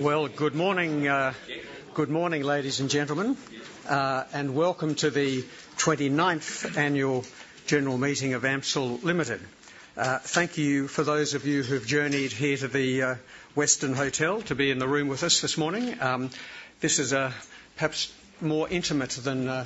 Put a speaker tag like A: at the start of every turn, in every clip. A: Well, good morning, good morning, ladies and gentlemen, and welcome to the twenty-ninth Annual General Meeting of AMCIL Limited. Thank you for those of you who've journeyed here to the Westin Hotel to be in the room with us this morning. This is perhaps more intimate than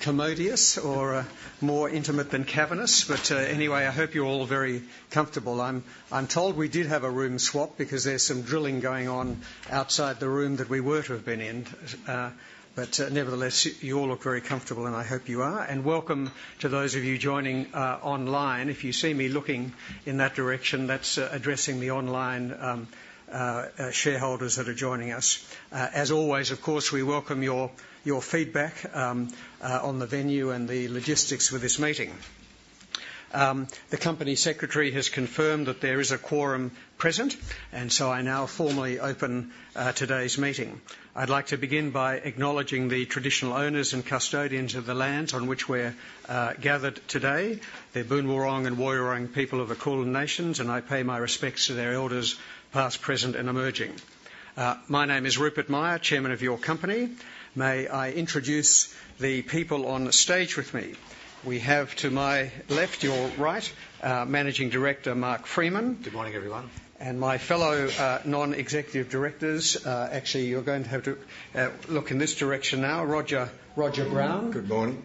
A: commodious or more intimate than cavernous. But anyway, I hope you're all very comfortable. I'm told we did have a room swap because there's some drilling going on outside the room that we were to have been in. But nevertheless, you all look very comfortable, and I hope you are. And welcome to those of you joining online. If you see me looking in that direction, that's addressing the online shareholders that are joining us. As always, of course, we welcome your, your feedback on the venue and the logistics for this meeting. The company secretary has confirmed that there is a quorum present, and so I now formally open today's meeting. I'd like to begin by acknowledging the traditional owners and custodians of the land on which we're gathered today, the Boon Wurrung and Woi Wurrung people of the Kulin nations, and I pay my respects to their elders, past, present, and emerging. My name is Rupert Myer, Chairman of your company. May I introduce the people on the stage with me? We have to my left, your right, Managing Director, Mark Freeman.
B: Good morning, everyone.
A: And my fellow, non-executive directors. Actually, you're going to have to look in this direction now. Roger, Roger Brown.
C: Good morning.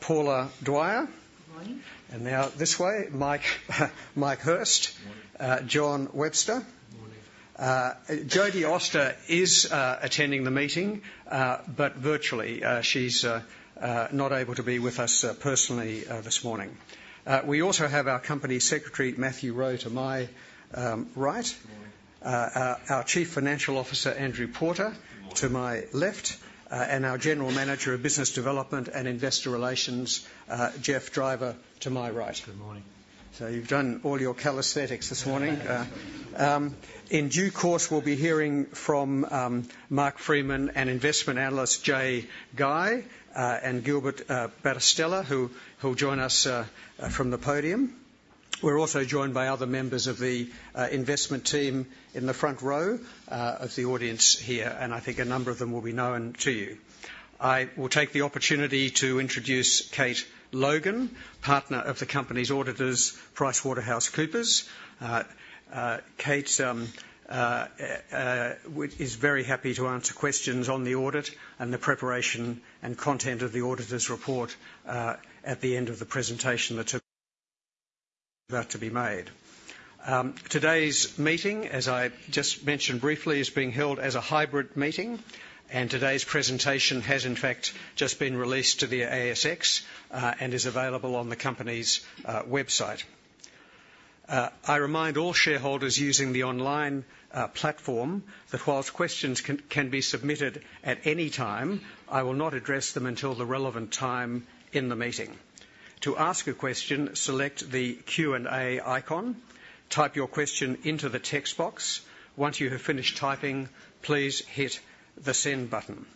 A: Paula Dwyer.
D: Good morning.
A: Now, this way, Mike, Mike Hirst.
E: Morning.
A: John Webster.
C: Good morning.
A: Jodi Auster is attending the meeting, but virtually. She's not able to be with us personally this morning. We also have our Company Secretary, Matthew Rowe, to my right.
F: Good morning.
A: Our Chief Financial Officer, Andrew Porter.
G: Good morning.
A: to my left, and our General Manager of Business Development and Investor Relations, Geoff Driver, to my right.
H: Good morning.
A: So you've done all your calisthenics this morning. In due course, we'll be hearing from Mark Freeman and investment analysts, Jay Guy, and Gilbert Battistella, who'll join us from the podium. We're also joined by other members of the investment team in the front row of the audience here, and I think a number of them will be known to you. I will take the opportunity to introduce Kate Logan, partner of the company's auditors, PricewaterhouseCoopers. Kate is very happy to answer questions on the audit and the preparation and content of the auditor's report at the end of the presentation that are... to be made. Today's meeting, as I just mentioned briefly, is being held as a hybrid meeting, and today's presentation has, in fact, just been released to the ASX, and is available on the company's website. I remind all shareholders using the online platform that whilst questions can be submitted at any time, I will not address them until the relevant time in the meeting. To ask a question, select the Q&A icon, type your question into the text box. Once you have finished typing, please hit the Send button.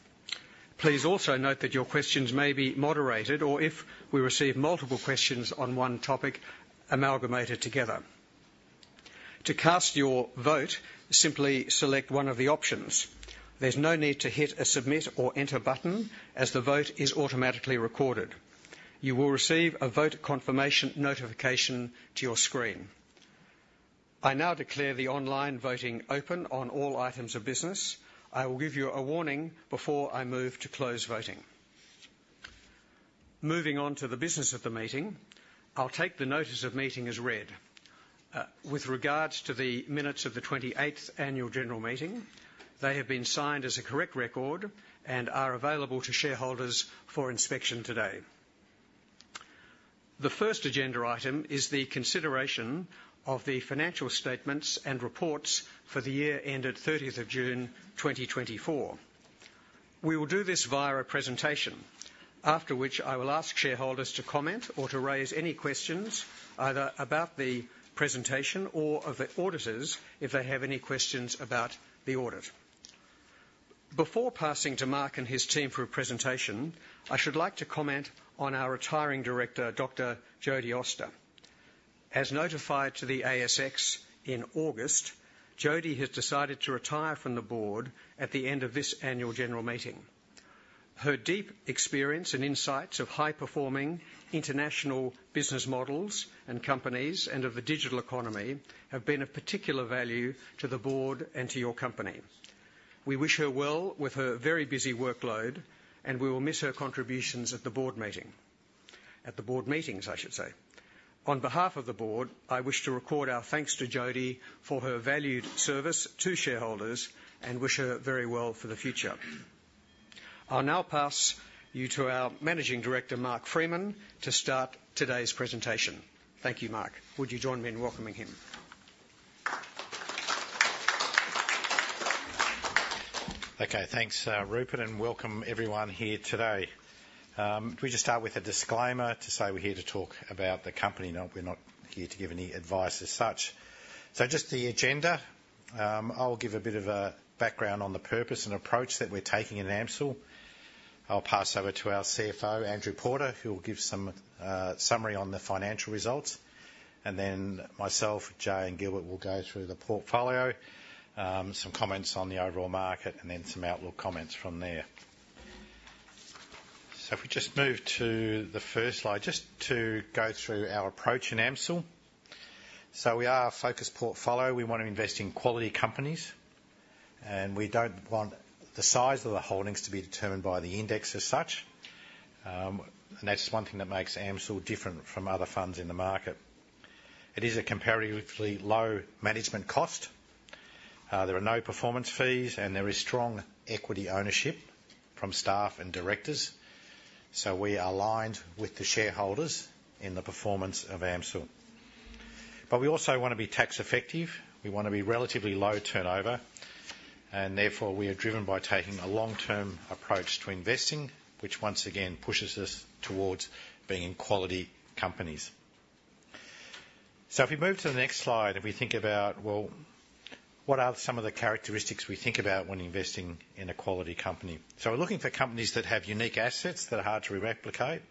A: Please also note that your questions may be moderated or if we receive multiple questions on one topic, amalgamated together. To cast your vote, simply select one of the options. There's no need to hit a Submit or Enter button, as the vote is automatically recorded. You will receive a vote confirmation notification to your screen. I now declare the online voting open on all items of business. I will give you a warning before I move to close voting. Moving on to the business of the meeting, I'll take the notice of meeting as read. With regards to the minutes of the twenty-eighth annual general meeting, they have been signed as a correct record and are available to shareholders for inspection today. The first agenda item is the consideration of the financial statements and reports for the year ended thirtieth of June, twenty twenty-four. We will do this via a presentation, after which I will ask shareholders to comment or to raise any questions either about the presentation or of the auditors, if they have any questions about the audit. Before passing to Mark and his team for a presentation, I should like to comment on our retiring director, Dr. Jodi Auster. As notified to the ASX in August, Jodi has decided to retire from the board at the end of this annual general meeting. Her deep experience and insights of high-performing international business models and companies and of the digital economy have been of particular value to the board and to your company. We wish her well with her very busy workload, and we will miss her contributions at the board meeting, at the board meetings, I should say. On behalf of the board, I wish to record our thanks to Jodi for her valued service to shareholders and wish her very well for the future. I'll now pass you to our Managing Director, Mark Freeman, to start today's presentation. Thank you, Mark. Would you join me in welcoming him?
B: Okay. Thanks, Rupert, and welcome everyone here today. Can we just start with a disclaimer to say we're here to talk about the company. We're not here to give any advice as such. Just the agenda. I'll give a bit of a background on the purpose and approach that we're taking at AMCIL. I'll pass over to our CFO, Andrew Porter, who will give some summary on the financial results. And then myself, Jay, and Gilbert will go through the portfolio, some comments on the overall market, and then some outlook comments from there. If we just move to the first slide, just to go through our approach in AMCIL. We are a focused portfolio. We want to invest in quality companies, and we don't want the size of the holdings to be determined by the index as such. And that's one thing that makes AMCIL different from other funds in the market. It is a comparatively low management cost. There are no performance fees, and there is strong equity ownership from staff and directors. So we are aligned with the shareholders in the performance of AMCIL. But we also want to be tax effective. We want to be relatively low turnover, and therefore, we are driven by taking a long-term approach to investing, which once again pushes us towards being in quality companies. So if we move to the next slide, if we think about, well, what are some of the characteristics we think about when investing in a quality company? So we're looking for companies that have unique assets that are hard to replicate.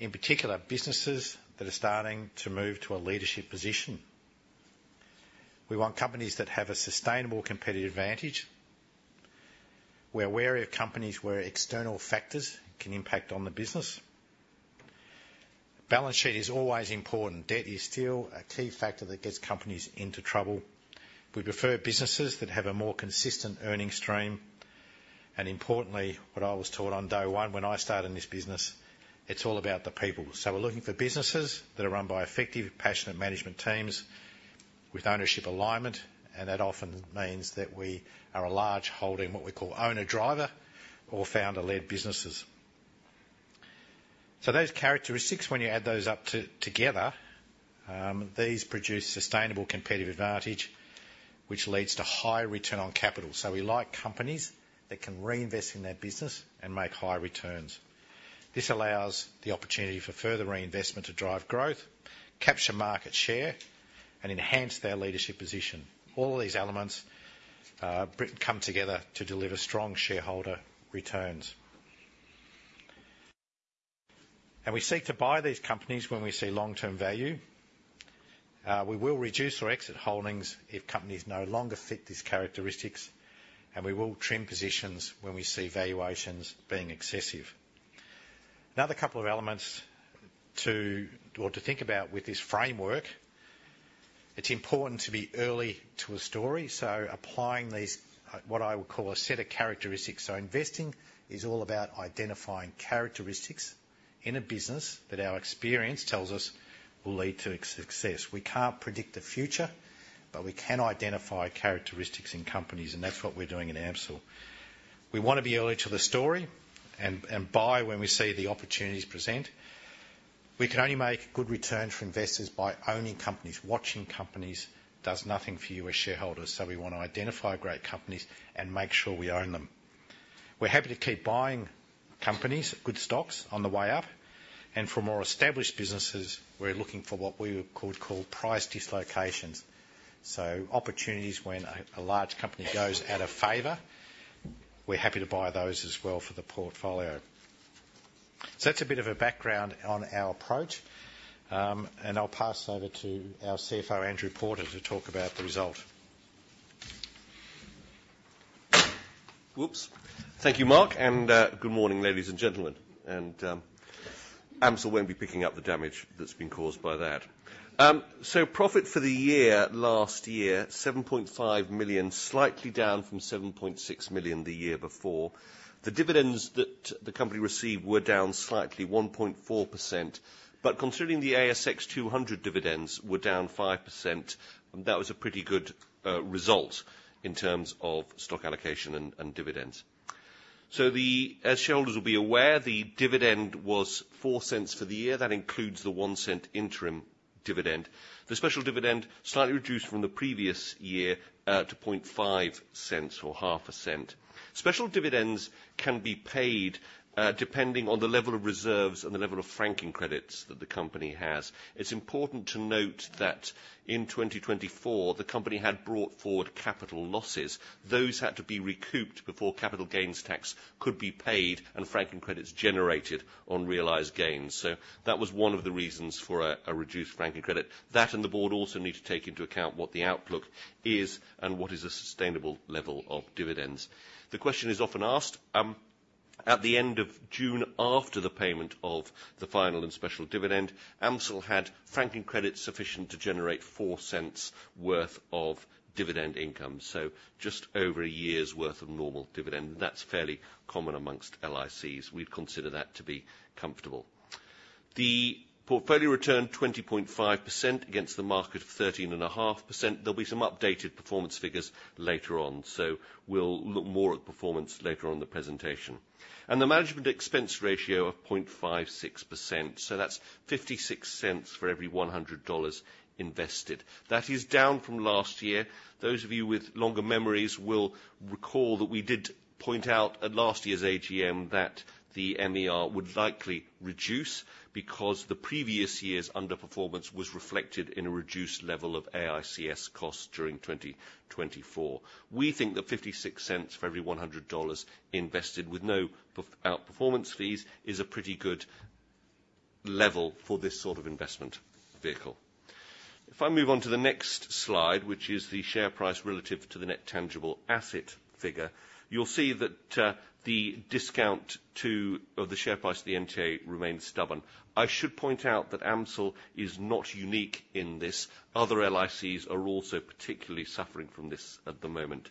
B: In particular, businesses that are starting to move to a leadership position. We want companies that have a sustainable competitive advantage. We're wary of companies where external factors can impact on the business. Balance sheet is always important. Debt is still a key factor that gets companies into trouble. We prefer businesses that have a more consistent earning stream. And importantly, what I was taught on day one when I started in this business, it's all about the people. So we're looking for businesses that are run by effective, passionate management teams with ownership alignment, and that often means that we are a large holding, what we call owner-driver or founder-led businesses. So those characteristics, when you add those up together, these produce sustainable competitive advantage, which leads to high return on capital. So we like companies that can reinvest in their business and make high returns. This allows the opportunity for further reinvestment to drive growth, capture market share, and enhance their leadership position. All of these elements come together to deliver strong shareholder returns. We seek to buy these companies when we see long-term value. We will reduce or exit holdings if companies no longer fit these characteristics, and we will trim positions when we see valuations being excessive. Another couple of elements or to think about with this framework, it's important to be early to a story, so applying these what I would call a set of characteristics. Investing is all about identifying characteristics in a business that our experience tells us will lead to success. We can't predict the future, but we can identify characteristics in companies, and that's what we're doing in AMCIL. We want to be early to the story and buy when we see the opportunities present. We can only make good returns for investors by owning companies. Watching companies does nothing for you as shareholders, so we want to identify great companies and make sure we own them. We're happy to keep buying companies, good stocks, on the way up. And for more established businesses, we're looking for what we would call price dislocations. So opportunities when a large company goes out of favor, we're happy to buy those as well for the portfolio. So that's a bit of a background on our approach, and I'll pass over to our CFO, Andrew Porter, to talk about the result.
G: Whoops! Thank you, Mark, and good morning, ladies and gentlemen. And, AMCIL won't be picking up the damage that's been caused by that. So profit for the year, last year, 7.5 million, slightly down from 7.6 million the year before. The dividends that the company received were down slightly, 1.4%, but considering the ASX 200 dividends were down 5%, that was a pretty good result in terms of stock allocation and dividends. As shareholders will be aware, the dividend was 0.04 for the year. That includes the 0.01 interim dividend. The special dividend, slightly reduced from the previous year, to 0.5 cents or half a cent. Special dividends can be paid depending on the level of reserves and the level of franking credits that the company has. It's important to note that in twenty twenty-four, the company had brought forward capital losses. Those had to be recouped before capital gains tax could be paid and franking credits generated on realized gains. So that was one of the reasons for a reduced franking credit. That, and the board also need to take into account what the outlook is and what is a sustainable level of dividends. The question is often asked at the end of June, after the payment of the final and special dividend, AMSL had franking credits sufficient to generate four cents worth of dividend income, so just over a year's worth of normal dividend. That's fairly common amongst LICs. We'd consider that to be comfortable. The portfolio returned 20.5% against the market of 13.5%. There'll be some updated performance figures later on, so we'll look more at the performance later on in the presentation, and the management expense ratio of 0.56%, so that's 56 cents for every 100 dollars invested. That is down from last year. Those of you with longer memories will recall that we did point out at last year's AGM that the MER would likely reduce because the previous year's underperformance was reflected in a reduced level of AICS costs during 2024. We think that 56 cents for every 100 dollars invested with no outperformance fees is a pretty good level for this sort of investment vehicle. If I move on to the next slide, which is the share price relative to the net tangible asset figure, you'll see that the discount of the share price to the NTA remains stubborn. I should point out that AMCIL is not unique in this. Other LICs are also particularly suffering from this at the moment.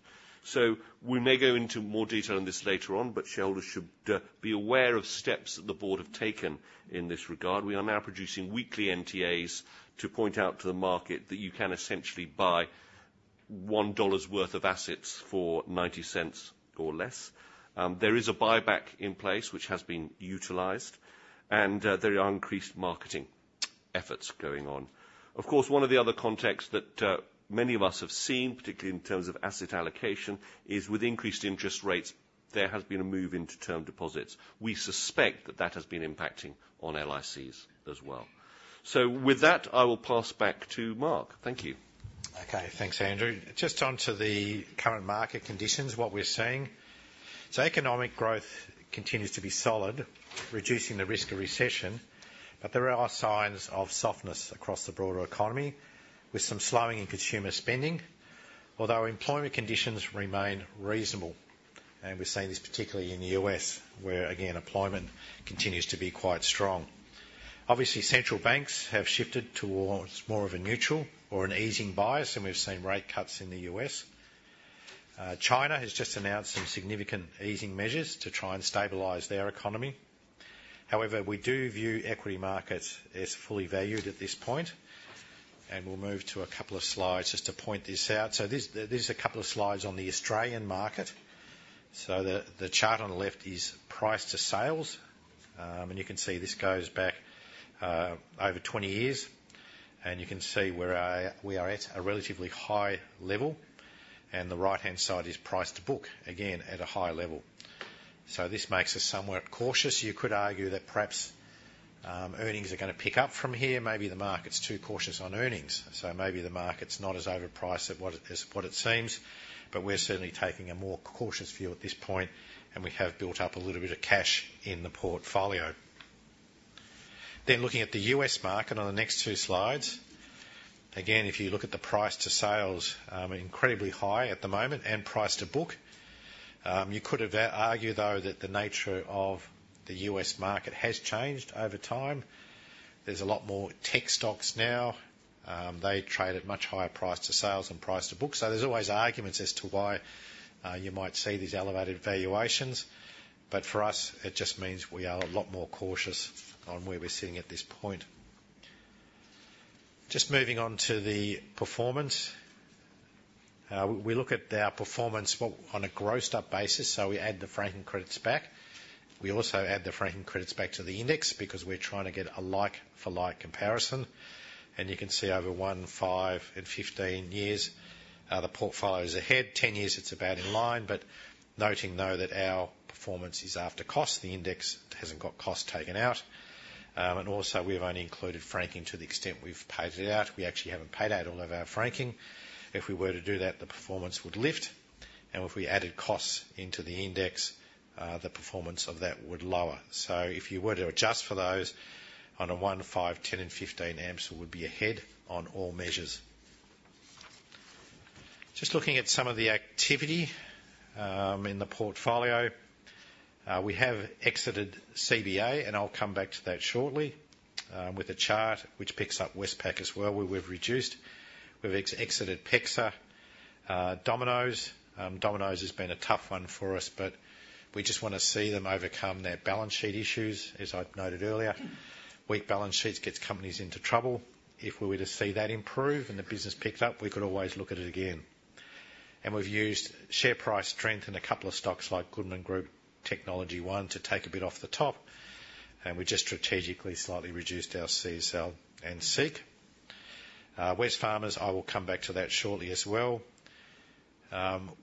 G: We may go into more detail on this later on, but shareholders should be aware of steps that the board have taken in this regard. We are now producing weekly NTAs to point out to the market that you can essentially buy one dollar's worth of assets for 90 cents or less. There is a buyback in place, which has been utilized, and there are increased marketing efforts going on. Of course, one of the other contexts that many of us have seen, particularly in terms of asset allocation, is with increased interest rates, there has been a move into term deposits. We suspect that has been impacting on LICs as well. With that, I will pass back to Mark. Thank you.
B: Okay. Thanks, Andrew. Just on to the current market conditions, what we're seeing. So economic growth continues to be solid, reducing the risk of recession, but there are signs of softness across the broader economy, with some slowing in consumer spending, although employment conditions remain reasonable. And we're seeing this particularly in the U.S., where, again, employment continues to be quite strong. Obviously, central banks have shifted towards more of a neutral or an easing bias, and we've seen rate cuts in the U.S. China has just announced some significant easing measures to try and stabilize their economy. However, we do view equity markets as fully valued at this point, and we'll move to a couple of slides just to point this out. So this, there's a couple of slides on the Australian market. So the chart on the left is price to sales, and you can see this goes back over 20 years, and you can see where we are at a relatively high level, and the right-hand side is price to book, again, at a high level. This makes us somewhat cautious. You could argue that perhaps earnings are gonna pick up from here. Maybe the market's too cautious on earnings, so maybe the market's not as overpriced as what it seems, but we're certainly taking a more cautious view at this point, and we have built up a little bit of cash in the portfolio. Looking at the U.S. market on the next two slides. Again, if you look at the price to sales, incredibly high at the moment and price to book. You could argue, though, that the nature of the U.S. market has changed over time. There's a lot more tech stocks now. They trade at much higher price to sales and price to book. So there's always arguments as to why you might see these elevated valuations. But for us, it just means we are a lot more cautious on where we're sitting at this point. Just moving on to the performance. We look at our performance on a grossed-up basis, so we add the franking credits back. We also add the franking credits back to the index because we're trying to get a like-for-like comparison. And you can see over 1, 5, and 15 years, the portfolio is ahead. 10 years, it's about in line, but noting, though, that our performance is after cost. The index hasn't got cost taken out. And also, we've only included franking to the extent we've paid it out. We actually haven't paid out all of our franking. If we were to do that, the performance would lift, and if we added costs into the index, the performance of that would lower. So if you were to adjust for those on a one, five, ten, and fifteen, AMSL would be ahead on all measures. Just looking at some of the activity in the portfolio. We have exited CBA, and I'll come back to that shortly, with a chart which picks up Westpac as well, where we've reduced. We've exited PEXA. Domino's. Domino's has been a tough one for us, but we just want to see them overcome their balance sheet issues, as I've noted earlier. Weak balance sheets gets companies into trouble. If we were to see that improve and the business picked up, we could always look at it again. And we've used share price strength in a couple of stocks like Goodman Group Technology One to take a bit off the top, and we just strategically slightly reduced our CSL and SEEK. Wesfarmers, I will come back to that shortly as well.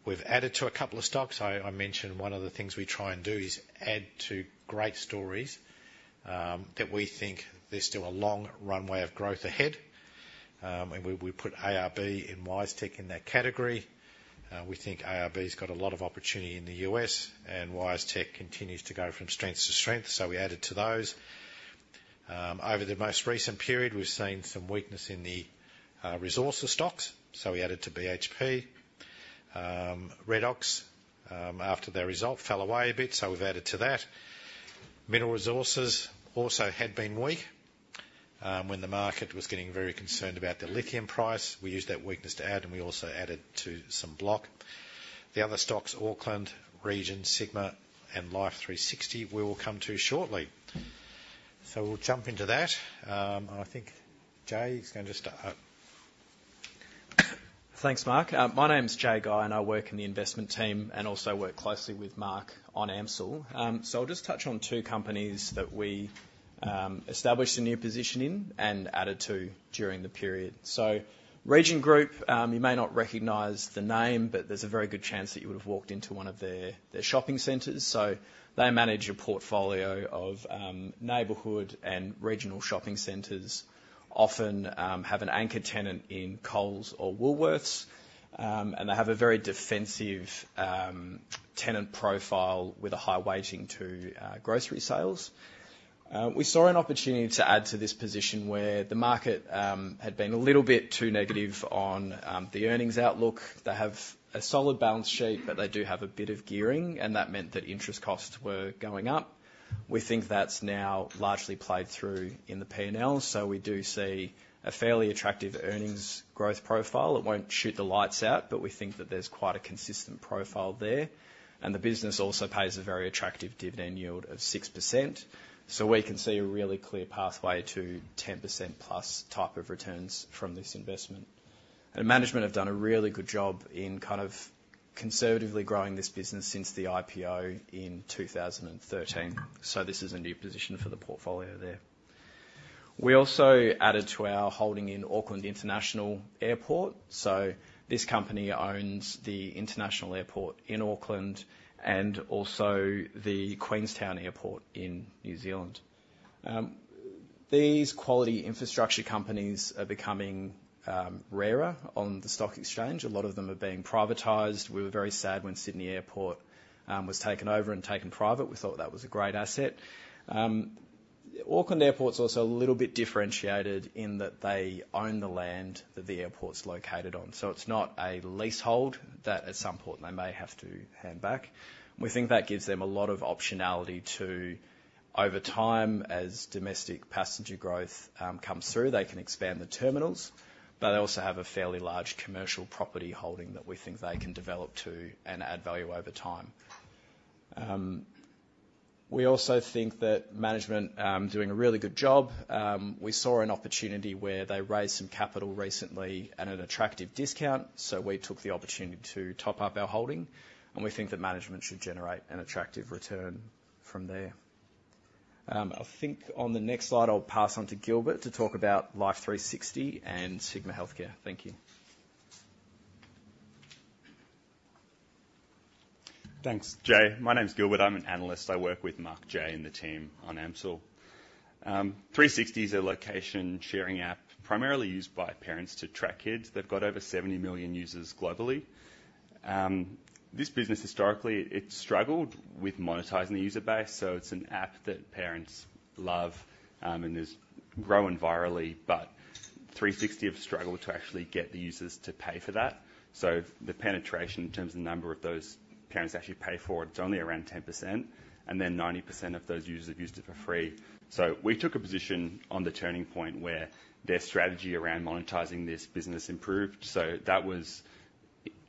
B: We've added to a couple of stocks. I mentioned one of the things we try and do is add to great stories, that we think there's still a long runway of growth ahead. And we put ARB and WiseTech in that category. We think ARB's got a lot of opportunity in the US, and WiseTech continues to go from strength to strength, so we added to those. Over the most recent period, we've seen some weakness in the resources stocks, so we added to BHP. Redox, after their result, fell away a bit, so we've added to that. Mineral Resources also had been weak. When the market was getting very concerned about the lithium price, we used that weakness to add, and we also added to some Block. The other stocks, Auckland, Region, Sigma, and Life360, we will come to shortly. We'll jump into that. I think Jay is going to start.
I: Thanks, Mark. My name's Jay Guy, and I work in the investment team and also work closely with Mark on AMCIL. So I'll just touch on two companies that we established a new position in and added to during the period. So Region Group, you may not recognize the name, but there's a very good chance that you would have walked into one of their shopping centers. So they manage a portfolio of neighborhood and regional shopping centers. Often have an anchor tenant in Coles or Woolworths, and they have a very defensive tenant profile with a high weighting to grocery sales. We saw an opportunity to add to this position where the market had been a little bit too negative on the earnings outlook. They have a solid balance sheet, but they do have a bit of gearing, and that meant that interest costs were going up. We think that's now largely played through in the P&L, so we do see a fairly attractive earnings growth profile. It won't shoot the lights out, but we think that there's quite a consistent profile there. And the business also pays a very attractive dividend yield of 6%, so we can see a really clear pathway to 10% plus type of returns from this investment. And management have done a really good job in kind of conservatively growing this business since the IPO in 2013. So this is a new position for the portfolio there. We also added to our holding in Auckland International Airport. So this company owns the international airport in Auckland and also the Queenstown Airport in New Zealand. These quality infrastructure companies are becoming rarer on the stock exchange. A lot of them are being privatized. We were very sad when Sydney Airport was taken over and taken private. We thought that was a great asset. Auckland Airport's also a little bit differentiated in that they own the land that the airport's located on. So it's not a leasehold that at some point they may have to hand back. We think that gives them a lot of optionality to, over time, as domestic passenger growth comes through, they can expand the terminals, but they also have a fairly large commercial property holding that we think they can develop to and add value over time. We also think that management doing a really good job. We saw an opportunity where they raised some capital recently at an attractive discount, so we took the opportunity to top up our holding, and we think that management should generate an attractive return from there. I think on the next slide, I'll pass on to Gilbert to talk about Life360 and Sigma Healthcare. Thank you.
J: Thanks, Jay. My name is Gilbert. I'm an analyst. I work with Mark, Jay, and the team on AMCIL. 360 is a location sharing app, primarily used by parents to track kids. They've got over 70 million users globally. This business, historically, it struggled with monetizing the user base, so it's an app that parents love, and is growing virally, but 360 have struggled to actually get the users to pay for that. So the penetration in terms of the number of those parents that actually pay for it, it's only around 10%, and then 90% of those users have used it for free. So we took a position on the turning point where their strategy around monetizing this business improved. So that was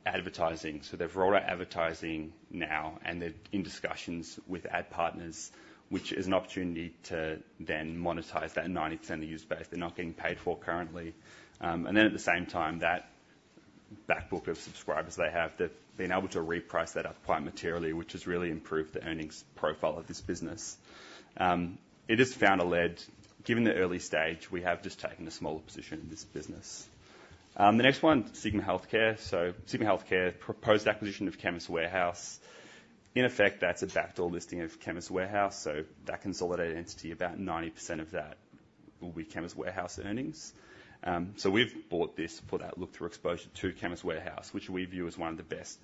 J: advertising. So they've rolled out advertising now, and they're in discussions with ad partners, which is an opportunity to then monetize that 90% of user base they're not getting paid for currently. And then at the same time, that back book of subscribers they have, they've been able to reprice that up quite materially, which has really improved the earnings profile of this business. It has found a lead. Given the early stage, we have just taken a smaller position in this business. The next one, Sigma Healthcare. So Sigma Healthcare's proposed acquisition of Chemist Warehouse. In effect, that's a backdoor listing of Chemist Warehouse, so that consolidated entity, about 90% of that will be Chemist Warehouse earnings. So we've bought this for that look-through exposure to Chemist Warehouse, which we view as one of the best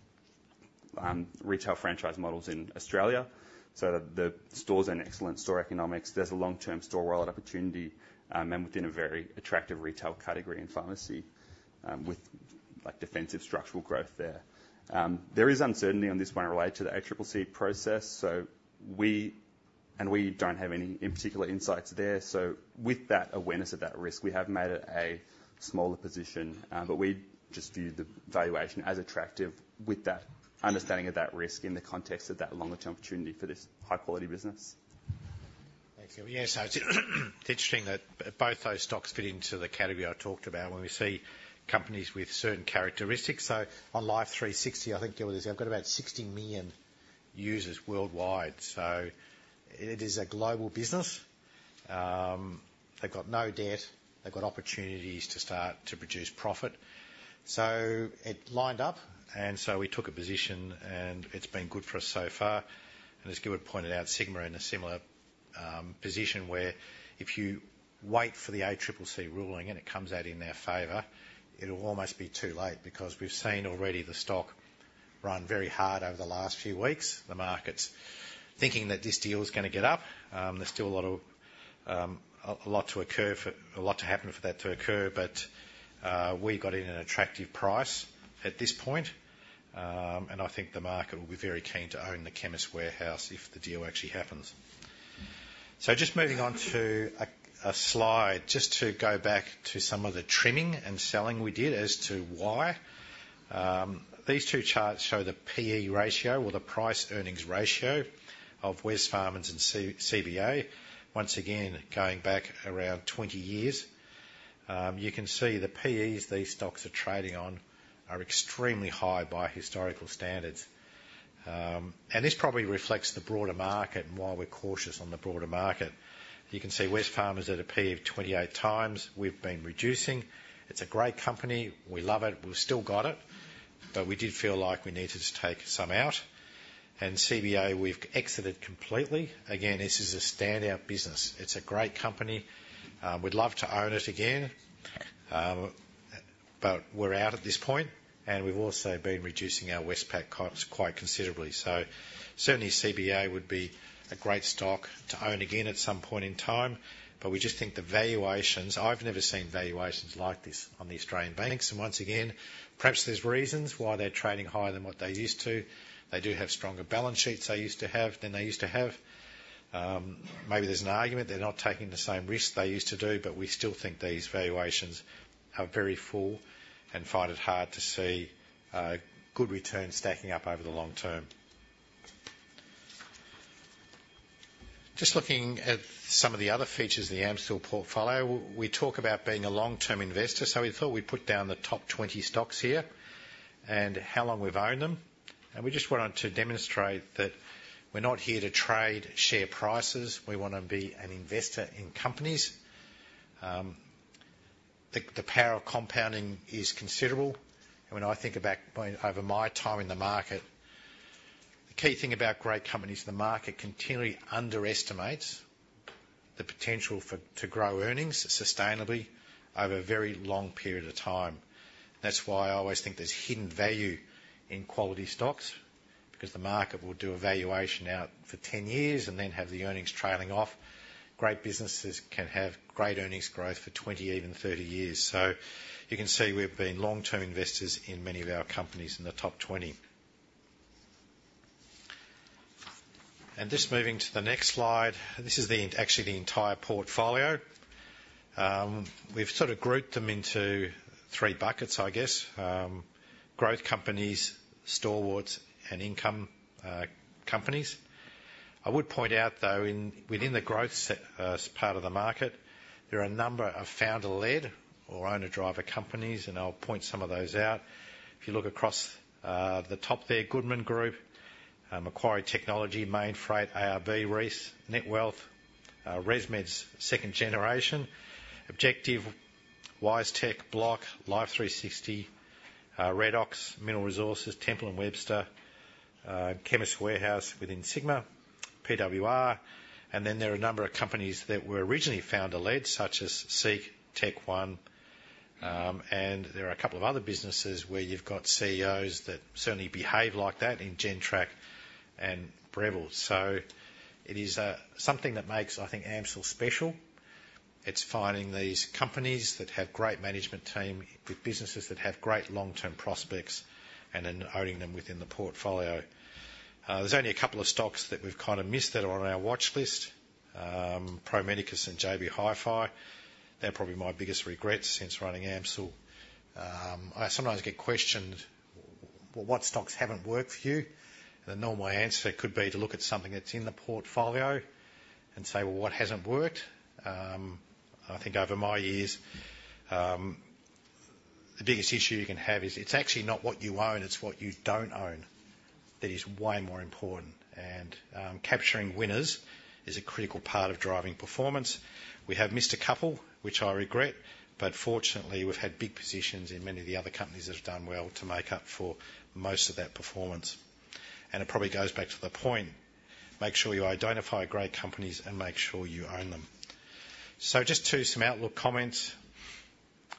J: retail franchise models in Australia. So the stores are in excellent store economics. There's a long-term store wallet opportunity, and within a very attractive retail category in pharmacy, with, like, defensive structural growth there. There is uncertainty on this one related to the ACCC process, so, and we don't have any particular insights there. So with that awareness of that risk, we have made it a smaller position, but we just view the valuation as attractive with that understanding of that risk in the context of that longer-term opportunity for this high-quality business.
B: Thank you. Yes, so it's interesting that both those stocks fit into the category I talked about when we see companies with certain characteristics. So on Life360, I think, Gilbert, they've got about sixty million users worldwide, so it is a global business. They've got no debt. They've got opportunities to start to produce profit. So it lined up, and so we took a position, and it's been good for us so far. And as Gilbert pointed out, Sigma in a similar position, where if you wait for the ACCC ruling and it comes out in their favor, it'll almost be too late because we've seen already the stock run very hard over the last few weeks. The market's thinking that this deal is gonna get up. There's still a lot to happen for that to occur, but we got in at an attractive price at this point, and I think the market will be very keen to own the Chemist Warehouse if the deal actually happens. So just moving on to a slide, just to go back to some of the trimming and selling we did as to why. These two charts show the P/E ratio or the price earnings ratio of Wesfarmers and CBA, once again, going back around twenty years.... You can see the PEs these stocks are trading on are extremely high by historical standards. And this probably reflects the broader market and why we're cautious on the broader market. You can see Wesfarmers at a PE of 28 times. We've been reducing. It's a great company. We love it. We've still got it, but we did feel like we needed to take some out. And CBA, we've exited completely. Again, this is a standout business. It's a great company. We'd love to own it again, but we're out at this point, and we've also been reducing our Westpac costs quite considerably. So certainly, CBA would be a great stock to own again at some point in time, but we just think the valuations. I've never seen valuations like this on the Australian banks. Once again, perhaps there's reasons why they're trading higher than what they used to. They do have stronger balance sheets than they used to have. Maybe there's an argument they're not taking the same risk they used to do, but we still think these valuations are very full and find it hard to see a good return stacking up over the long term. Just looking at some of the other features of the AMCIL portfolio, we talk about being a long-term investor, so we thought we'd put down the top 20 stocks here and how long we've owned them. We just wanted to demonstrate that we're not here to trade share prices. We want to be an investor in companies. The power of compounding is considerable. When I think about, over my time in the market, the key thing about great companies, the market continually underestimates the potential for, to grow earnings sustainably over a very long period of time. That's why I always think there's hidden value in quality stocks, because the market will do a valuation out for ten years and then have the earnings trailing off. Great businesses can have great earnings growth for twenty, even thirty years. So you can see we've been long-term investors in many of our companies in the top twenty. And just moving to the next slide, this is the, actually the entire portfolio. We've sort of grouped them into three buckets, I guess. Growth companies, core, and income companies. I would point out, though, in, within the growth sector part of the market, there are a number of founder-led or owner-driver companies, and I'll point some of those out. If you look across, the top there, Goodman Group, Macquarie Technology, Mainfreight, ARB, Reece, Netwealth, ResMed's second generation, Objective, WiseTech, Block, Life360, Redox, Mineral Resources, Temple & Webster, Chemist Warehouse within Sigma, PWR. And then there are a number of companies that were originally founder-led, such as SEEK, TechOne, and there are a couple of other businesses where you've got CEOs that certainly behave like that in Gentrack and Breville. So it is, something that makes, I think, AMCIL special. It's finding these companies that have great management team, with businesses that have great long-term prospects and then owning them within the portfolio. There's only a couple of stocks that we've kinda missed that are on our watchlist, Pro Medicus and JB Hi-Fi. They're probably my biggest regrets since running AMCIL. I sometimes get questioned, "Well, what stocks haven't worked for you?" The normal answer could be to look at something that's in the portfolio and say, "Well, what hasn't worked?" I think over my years, the biggest issue you can have is it's actually not what you own, it's what you don't own that is way more important, and capturing winners is a critical part of driving performance. We have missed a couple, which I regret, but fortunately, we've had big positions in many of the other companies that have done well to make up for most of that performance. And it probably goes back to the point, make sure you identify great companies and make sure you own them. So, just some outlook comments.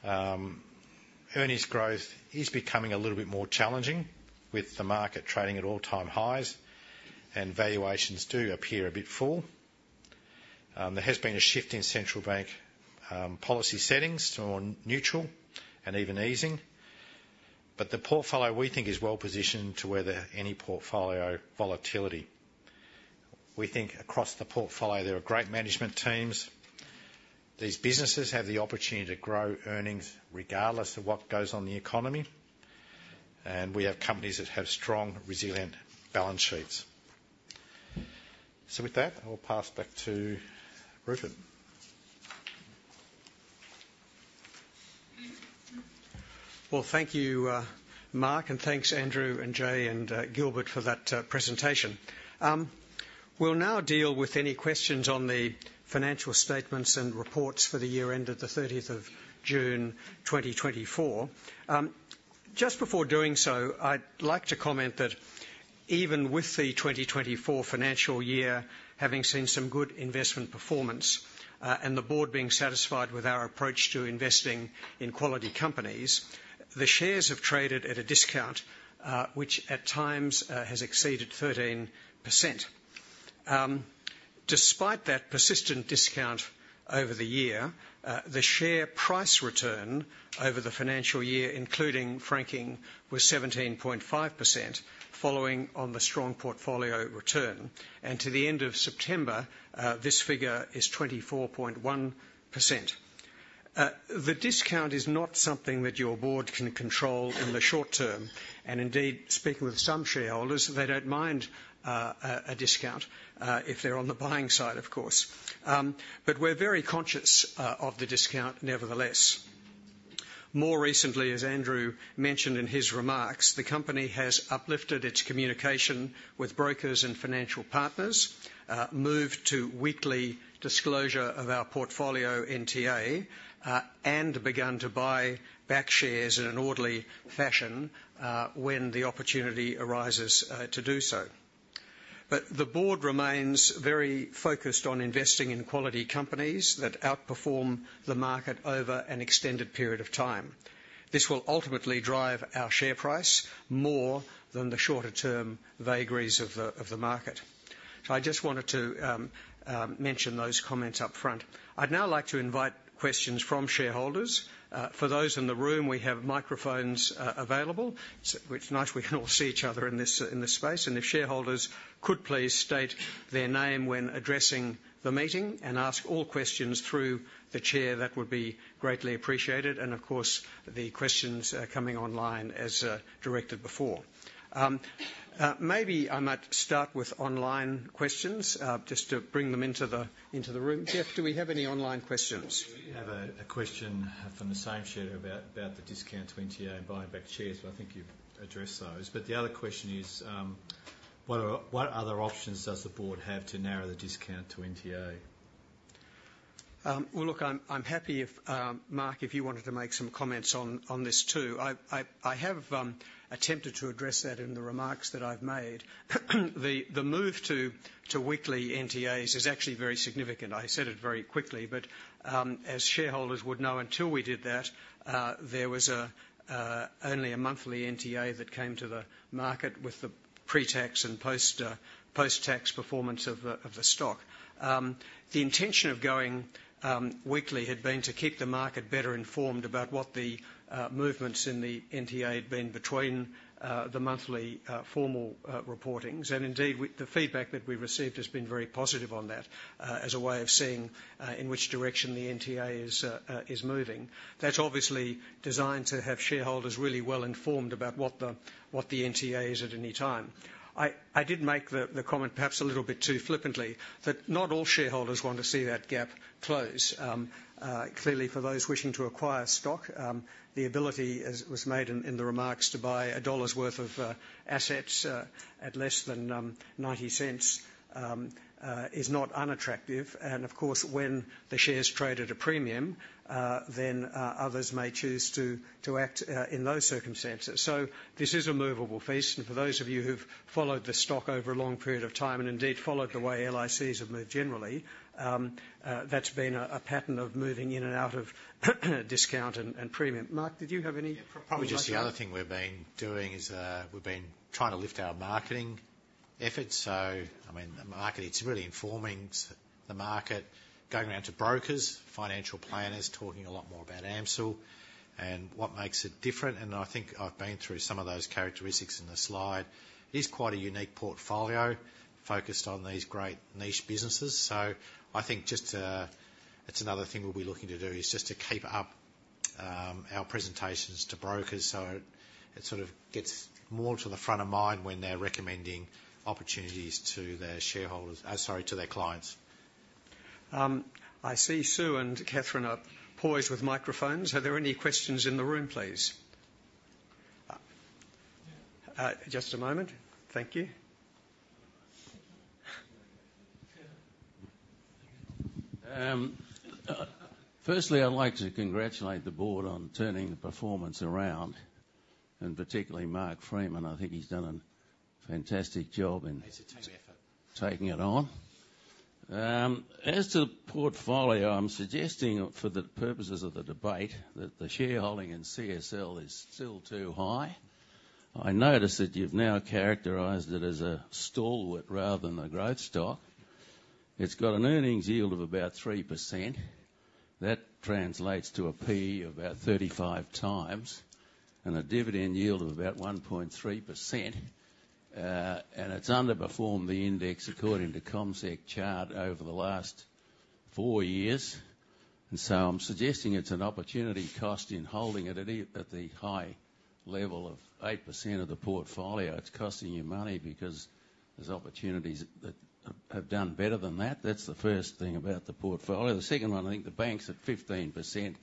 B: Earnings growth is becoming a little bit more challenging with the market trading at all-time highs, and valuations do appear a bit full. There has been a shift in central bank policy settings to more neutral and even easing, but the portfolio, we think, is well-positioned to weather any portfolio volatility. We think across the portfolio, there are great management teams. These businesses have the opportunity to grow earnings regardless of what goes on in the economy, and we have companies that have strong, resilient balance sheets. So with that, I will pass back to Rupert.
A: Thank you, Mark, and thanks, Andrew and Jay and Gilbert, for that presentation. We'll now deal with any questions on the financial statements and reports for the year end of the thirtieth of June 2024. Just before doing so, I'd like to comment that even with the twenty twenty-four financial year, having seen some good investment performance, and the board being satisfied with our approach to investing in quality companies, the shares have traded at a discount, which at times has exceeded 13%. Despite that persistent discount over the year, the share price return over the financial year, including franking, was 17.5%, following on the strong portfolio return. To the end of September, this figure is 24.1%. The discount is not something that your board can control in the short term, and indeed, speaking with some shareholders, they don't mind a discount if they're on the buying side, of course. But we're very conscious of the discount, nevertheless... More recently, as Andrew mentioned in his remarks, the company has uplifted its communication with brokers and financial partners, moved to weekly disclosure of our portfolio NTA, and begun to buy back shares in an orderly fashion when the opportunity arises to do so. But the board remains very focused on investing in quality companies that outperform the market over an extended period of time. This will ultimately drive our share price more than the shorter term vagaries of the market, so I just wanted to mention those comments up front. I'd now like to invite questions from shareholders. For those in the room, we have microphones available. It's nice we can all see each other in this space, and if shareholders could please state their name when addressing the meeting and ask all questions through the chair, that would be greatly appreciated, and of course, the questions coming online as directed before. Maybe I might start with online questions, just to bring them into the room. Jeff, do we have any online questions?
H: We have a question from the same shareholder about the discount to NTA and buying back shares, but I think you've addressed those. But the other question is, what other options does the board have to narrow the discount to NTA?
A: Look, I'm happy if Mark wanted to make some comments on this, too. I have attempted to address that in the remarks that I've made. The move to weekly NTAs is actually very significant. I said it very quickly, but as shareholders would know, until we did that, there was only a monthly NTA that came to the market with the pre-tax and post-tax performance of the stock. The intention of going weekly had been to keep the market better informed about what the movements in the NTA had been between the monthly formal reportings. Indeed, the feedback that we've received has been very positive on that, as a way of seeing in which direction the NTA is moving. That's obviously designed to have shareholders really well informed about what the NTA is at any time. I did make the comment perhaps a little bit too flippantly that not all shareholders want to see that gap close. Clearly, for those wishing to acquire stock, the ability, as was made in the remarks, to buy AUD 1 worth of assets at less than 0.90, is not unattractive. Of course, when the shares trade at a premium, then others may choose to act in those circumstances. So this is a movable feast, and for those of you who've followed the stock over a long period of time, and indeed followed the way LICs have moved generally, that's been a pattern of moving in and out of discount and premium. Mark, did you have any-
B: Yeah. Probably just the other thing we've been doing is, we've been trying to lift our marketing efforts. So, I mean, the marketing, it's really informing the market, going around to brokers, financial planners, talking a lot more about AMCIL and what makes it different. And I think I've been through some of those characteristics in the slide. It is quite a unique portfolio focused on these great niche businesses. So I think it's another thing we'll be looking to do, is just to keep up our presentations to brokers, so it sort of gets more to the front of mind when they're recommending opportunities to their shareholders, sorry, to their clients.
A: I see Sue and Catherine are poised with microphones. Are there any questions in the room, please? Just a moment. Thank you.
B: Firstly, I'd like to congratulate the board on turning the performance around, and particularly Mark Freeman. I think he's done a fantastic job in- It's a team effort.... taking it on. As to the portfolio, I'm suggesting, for the purposes of the debate, that the shareholding in CSL is still too high. I notice that you've now characterized it as a stalwart rather than a growth stock. It's got an earnings yield of about 3%. That translates to a P/E of about 35 times and a dividend yield of about 1.3%. And it's underperformed the index, according to CommSec chart, over the last four years. And so I'm suggesting it's an opportunity cost in holding it at the high level of 8% of the portfolio. It's costing you money because there's opportunities that have done better than that. That's the first thing about the portfolio. The second one, I think the banks at 15%,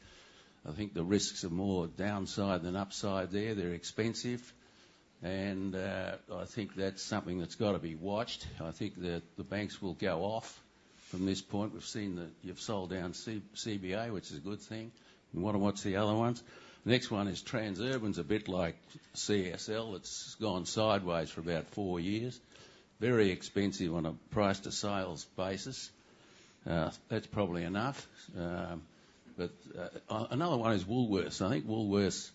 B: I think the risks are more downside than upside there. They're expensive, and I think that's something that's got to be watched. I think that the banks will go off from this point. We've seen that you've sold down CBA, which is a good thing. We want to watch the other ones. The next one is Transurban's, a bit like CSL. It's gone sideways for about four years. Very expensive on a price to sales basis. That's probably enough. But another one is Woolworths. I think Woolworths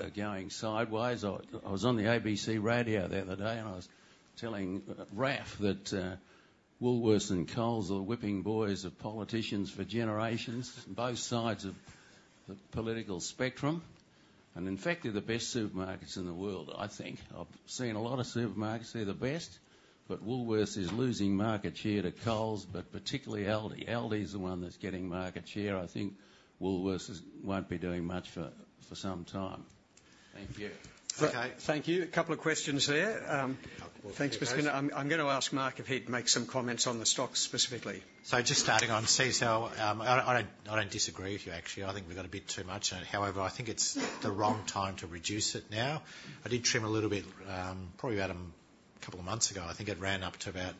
B: are going sideways. I was on the ABC radio the other day, and I was telling Raf that Woolworths and Coles are whipping boys of politicians for generations, both sides of the political spectrum. And in fact, they're the best supermarkets in the world, I think. I've seen a lot of supermarkets, they're the best, but Woolworths is losing market share to Coles, but particularly Aldi. Aldi is the one that's getting market share. I think Woolworths won't be doing much for some time.... Thank you. Okay.
A: Thank you. A couple of questions there. Thanks, Christina. I'm gonna ask Mark if he'd make some comments on the stocks specifically.
B: So just starting on CSL. I don't disagree with you, actually. I think we've got a bit too much in it. However, I think it's the wrong time to reduce it now. I did trim a little bit, probably about a couple of months ago. I think it ran up to about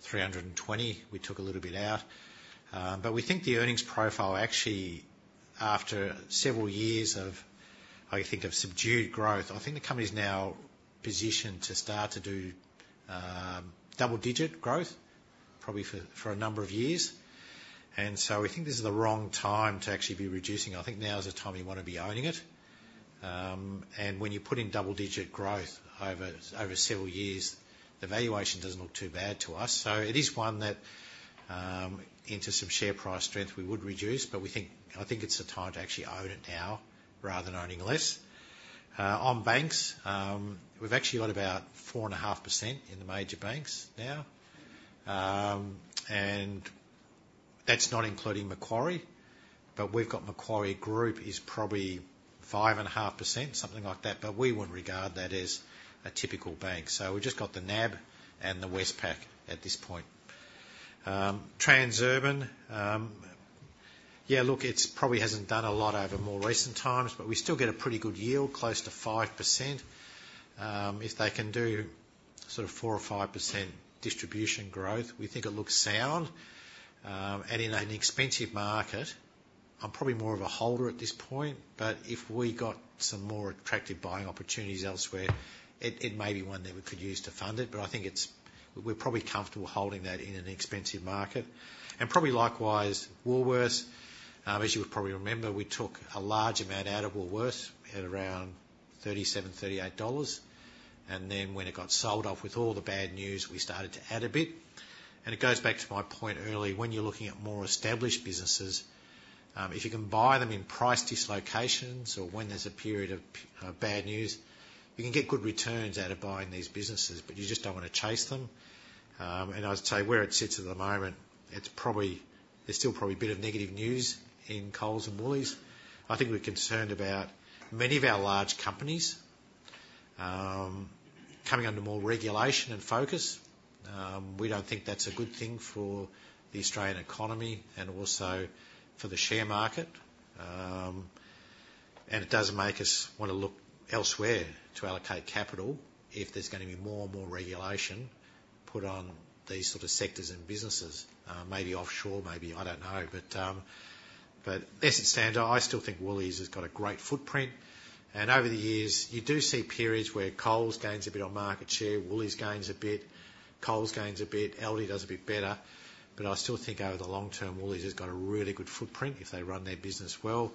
B: three hundred and twenty. We took a little bit out. But we think the earnings profile, actually, after several years of, I think, of subdued growth, I think the company is now positioned to start to do double-digit growth, probably for a number of years. And so we think this is the wrong time to actually be reducing. I think now is the time you wanna be owning it. And when you put in double-digit growth over several years, the valuation doesn't look too bad to us. It is one that, into some share price strength we would reduce, but we think- I think it's the time to actually own it now rather than owning less. On banks, we've actually got about 4.5% in the major banks now. And that's not including Macquarie, but we've got Macquarie Group is probably 5.5%, something like that, but we wouldn't regard that as a typical bank. We've just got the NAB and the Westpac at this point. Transurban, yeah, look, it probably hasn't done a lot over more recent times, but we still get a pretty good yield, close to 5%. If they can do sort of 4%-5% distribution growth, we think it looks sound. And in an expensive market, I'm probably more of a holder at this point, but if we got some more attractive buying opportunities elsewhere, it may be one that we could use to fund it. But I think it's... We're probably comfortable holding that in an expensive market. And probably likewise, Woolworths. As you would probably remember, we took a large amount out of Woolworths at around 37-38 dollars, and then when it got sold off with all the bad news, we started to add a bit. And it goes back to my point earlier, when you're looking at more established businesses, if you can buy them in price dislocations or when there's a period of bad news, you can get good returns out of buying these businesses, but you just don't wanna chase them. I'd say where it sits at the moment, it's probably. There's still probably a bit of negative news in Coles and Woolies. I think we're concerned about many of our large companies coming under more regulation and focus. We don't think that's a good thing for the Australian economy and also for the share market. And it does make us wanna look elsewhere to allocate capital if there's gonna be more and more regulation put on these sort of sectors and businesses, maybe offshore, maybe, I don't know. But as it stands, I still think Woolies has got a great footprint, and over the years, you do see periods where Coles gains a bit on market share, Woolies gains a bit, Coles gains a bit, Aldi does a bit better. But I still think over the long term, Woolies has got a really good footprint if they run their business well.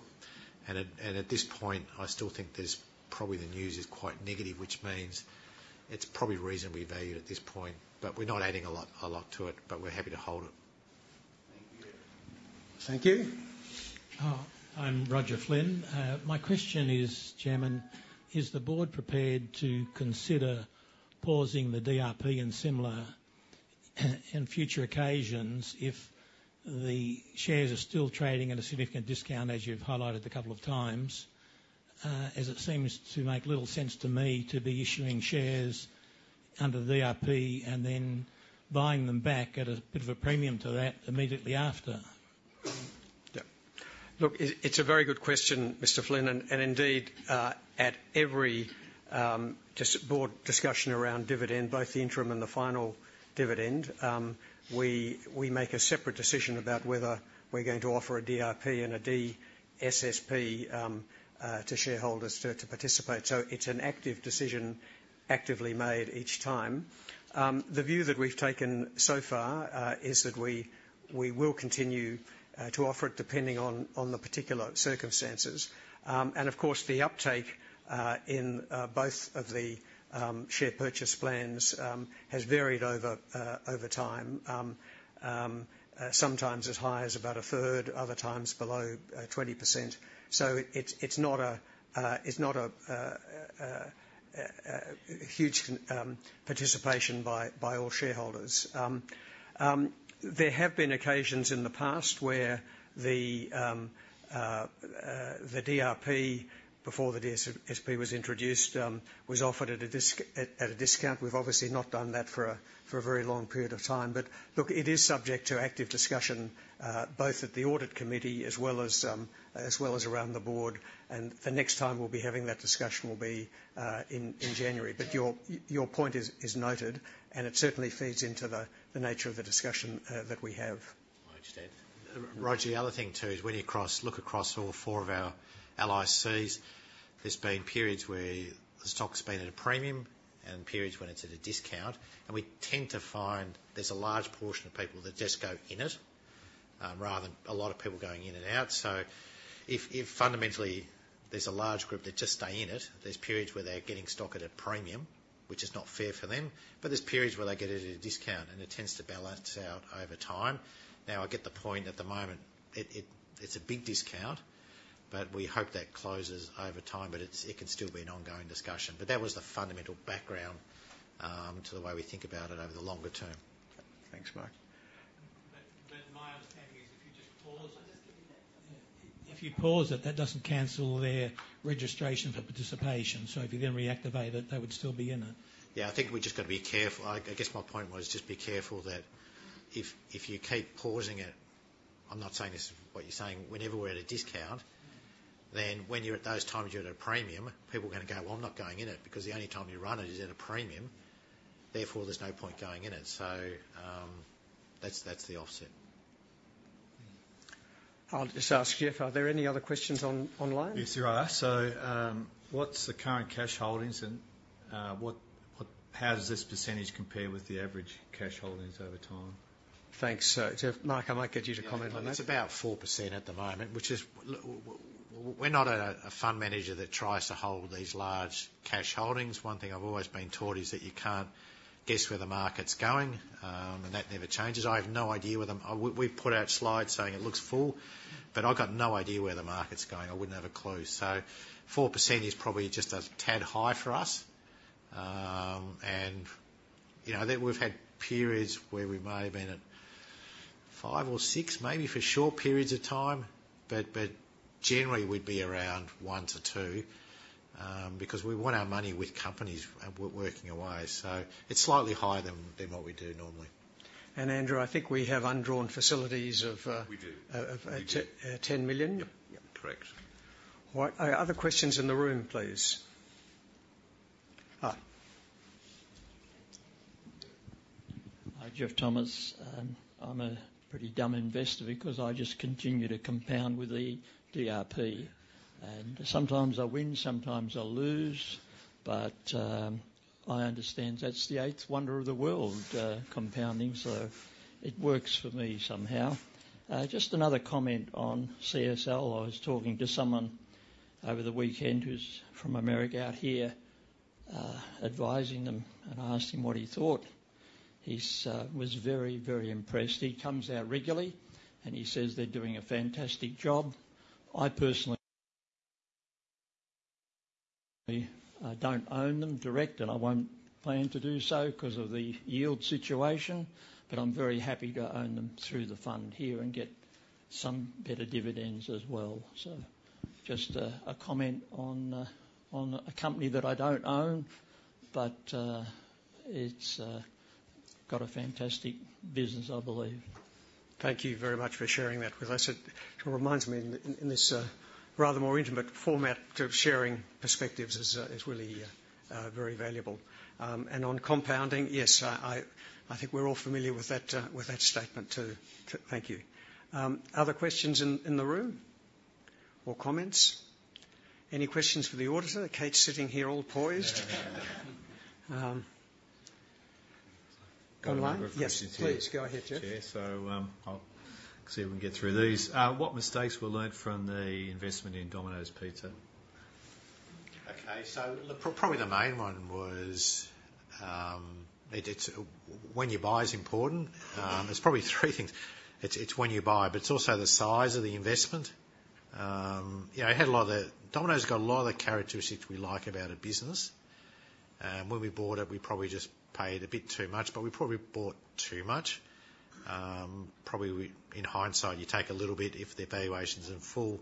B: And at this point, I still think there's probably the news is quite negative, which means it's probably reasonably valued at this point, but we're not adding a lot, a lot to it, but we're happy to hold it. Thank you.
A: Thank you.
K: Oh, I'm Roger Flynn. My question is, Chairman, is the board prepared to consider pausing the DRP and similar, in future occasions if the shares are still trading at a significant discount, as you've highlighted a couple of times? As it seems to make little sense to me to be issuing shares under the DRP and then buying them back at a bit of a premium to that immediately after.
A: Yeah. Look, it's a very good question, Mr. Flynn, and indeed, at every just board discussion around dividend, both the interim and the final dividend, we make a separate decision about whether we're going to offer a DRP and a DSSP to shareholders to participate. So it's an active decision, actively made each time. The view that we've taken so far is that we will continue to offer it depending on the particular circumstances, and of course, the uptake in both of the share purchase plans has varied over time, sometimes as high as about a third, other times below 20%. So it's not a huge participation by all shareholders. There have been occasions in the past where the DRP, before the DSSP was introduced, was offered at a discount. We've obviously not done that for a very long period of time. But look, it is subject to active discussion, both at the audit committee as well as around the board. And the next time we'll be having that discussion will be in January. But your point is noted, and it certainly feeds into the nature of the discussion that we have.
B: I understand. Roger, the other thing, too, is when you cross, look across all four of our LICs, there's been periods where the stock's been at a premium and periods when it's at a discount, and we tend to find there's a large portion of people that just go in it, rather than a lot of people going in and out. So if fundamentally there's a large group that just stay in it, there's periods where they're getting stock at a premium, which is not fair for them, but there's periods where they get it at a discount, and it tends to balance out over time. Now, I get the point at the moment, it's a big discount, but we hope that closes over time, but it can still be an ongoing discussion. But that was the fundamental background to the way we think about it over the longer term.
A: Thanks, Mark. But my understanding is if you just pause it. I'll just give you that. If you pause it, that doesn't cancel their registration for participation. So if you then reactivate it, they would still be in it.
B: Yeah, I think we've just got to be careful. I guess my point was just be careful that if you keep pausing it, I'm not saying this is what you're saying, whenever we're at a discount, then when you're at those times you're at a premium, people are gonna go, "Well, I'm not going in it because the only time you run it is at a premium, therefore, there's no point going in it." So, that's the offset.
A: I'll just ask Jeff, are there any other questions online?
H: Yes, there are. So, what's the current cash holdings, and, what... How does this percentage compare with the average cash holdings over time?
A: Thanks. So, Jeff, Mike, I might get you to comment on that.
B: It's about 4% at the moment, which is we're not a fund manager that tries to hold these large cash holdings. One thing I've always been taught is that you can't guess where the market's going, and that never changes. I have no idea where the. We, we've put out slides saying it looks full, but I've got no idea where the market's going. I wouldn't have a clue. Four percent is probably just a tad high for us. And, you know, that we've had periods where we may have been at 5% or 6%, maybe for short periods of time, but generally, we'd be around 1% to 2%, because we want our money with companies working away. So it's slightly higher than what we do normally.
A: And, Andrew, I think we have undrawn facilities of AUD 10 million. We do. We do. Yep. Yep. Correct. All right, other questions in the room, please? Hi, Jeff Thomas. I'm a pretty dumb investor because I just continue to compound with the DRP, and sometimes I win, sometimes I lose, but I understand that's the eighth wonder of the world, compounding, so it works for me somehow. Just another comment on CSL. I was talking to someone over the weekend who's from America, out here, advising them, and I asked him what he thought. He's was very, very impressed. He comes out regularly, and he says they're doing a fantastic job. I personally, I don't own them direct, and I won't plan to do so 'cause of the yield situation, but I'm very happy to own them through the fund here and get some better dividends as well. Just a comment on a company that I don't own, but it's got a fantastic business, I believe. Thank you very much for sharing that with us. It reminds me, in this rather more intimate format of sharing perspectives is really very valuable, and on compounding, yes, I think we're all familiar with that with that statement, too. Thank you. Other questions in the room or comments? Any questions for the auditor? Kate's sitting here all poised. Go online.
H: Questions here.
A: Yes, please, go ahead, Jeff.
H: Yeah, so, I'll see if we can get through these. What mistakes were learned from the investment in Domino's Pizza?
B: Okay, so probably the main one was, it, it's... When you buy is important. There's probably three things. It's, it's when you buy, but it's also the size of the investment. You know, it had a lot of the... Domino's got a lot of the characteristics we like about a business. And when we bought it, we probably just paid a bit too much, but we probably bought too much. Probably we, in hindsight, you take a little bit if the valuation's in full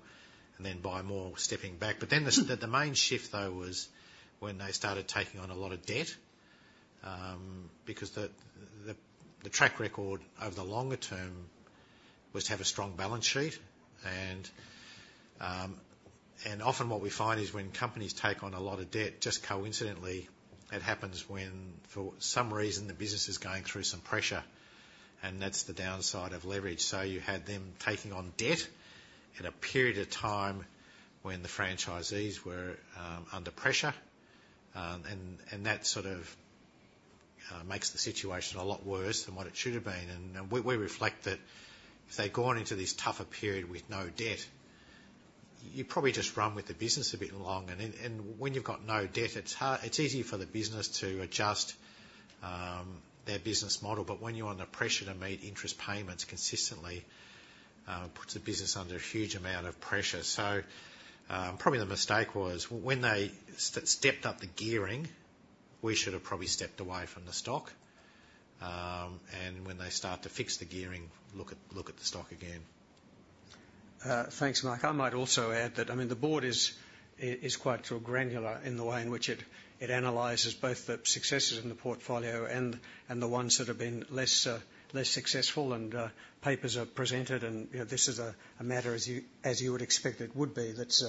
B: and then buy more stepping back. But then the main shift, though, was when they started taking on a lot of debt, because the track record over the longer term was to have a strong balance sheet. Often what we find is when companies take on a lot of debt, just coincidentally, it happens when, for some reason, the business is going through some pressure, and that's the downside of leverage, so you had them taking on debt at a period of time when the franchisees were under pressure, and that sort of makes the situation a lot worse than what it should have been, and we reflect that if they'd gone into this tougher period with no debt, you probably just run with the business a bit longer, and when you've got no debt, it's easier for the business to adjust their business model, but when you're under pressure to meet interest payments consistently, puts the business under a huge amount of pressure. Probably the mistake was when they stepped up the gearing. We should have probably stepped away from the stock. When they start to fix the gearing, look at the stock again.
A: Thanks, Mike. I might also add that, I mean, the board is quite granular in the way in which it analyzes both the successes in the portfolio and the ones that have been less successful, and papers are presented, and you know, this is a matter, as you would expect it would be, that's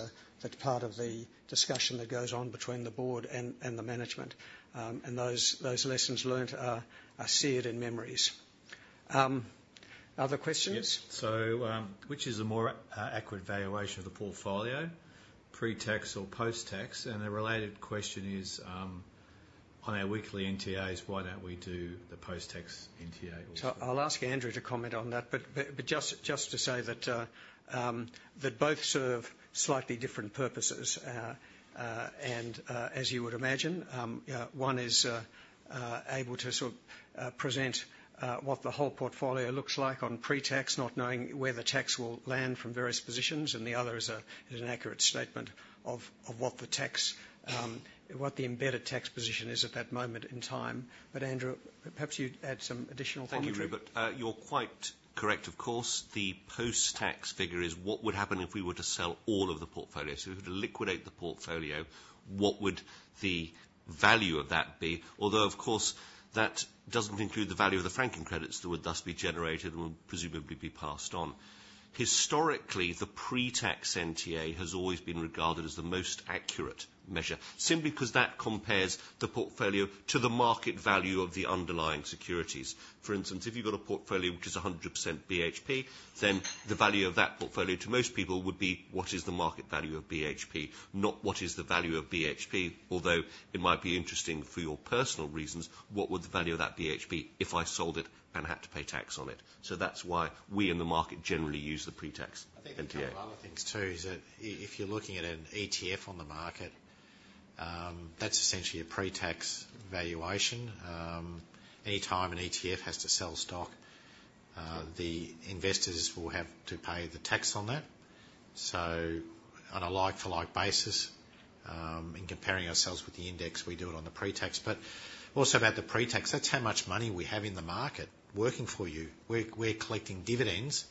A: part of the discussion that goes on between the board and the management. And those lessons learned are seared in memories. Other questions?
H: Yes. So, which is a more accurate valuation of the portfolio, pre-tax or post-tax? And the related question is,...
B: on our weekly NTAs, why don't we do the post-tax NTA also?
A: So I'll ask Andrew to comment on that, but just to say that both serve slightly different purposes. And as you would imagine, one is able to sort of present what the whole portfolio looks like on pre-tax, not knowing where the tax will land from various positions, and the other is an accurate statement of what the embedded tax position is at that moment in time. But Andrew, perhaps you'd add some additional commentary?
G: Thank you, but you're quite correct, of course. The post-tax figure is what would happen if we were to sell all of the portfolio. So if we were to liquidate the portfolio, what would the value of that be? Although, of course, that doesn't include the value of the franking credits that would thus be generated and will presumably be passed on. Historically, the pre-tax NTA has always been regarded as the most accurate measure, simply because that compares the portfolio to the market value of the underlying securities. For instance, if you've got a portfolio which is 100% BHP, then the value of that portfolio to most people would be, what is the market value of BHP, not what is the value of BHP? Although, it might be interesting for your personal reasons, what would the value of that BHP if I sold it and had to pay tax on it? So that's why we in the market generally use the pre-tax NTA.
B: I think a couple other things, too, is that if you're looking at an ETF on the market, that's essentially a pre-tax valuation. Anytime an ETF has to sell stock, the investors will have to pay the tax on that. So on a like-for-like basis, in comparing ourselves with the index, we do it on the pre-tax. But also about the pre-tax, that's how much money we have in the market working for you. We're collecting dividends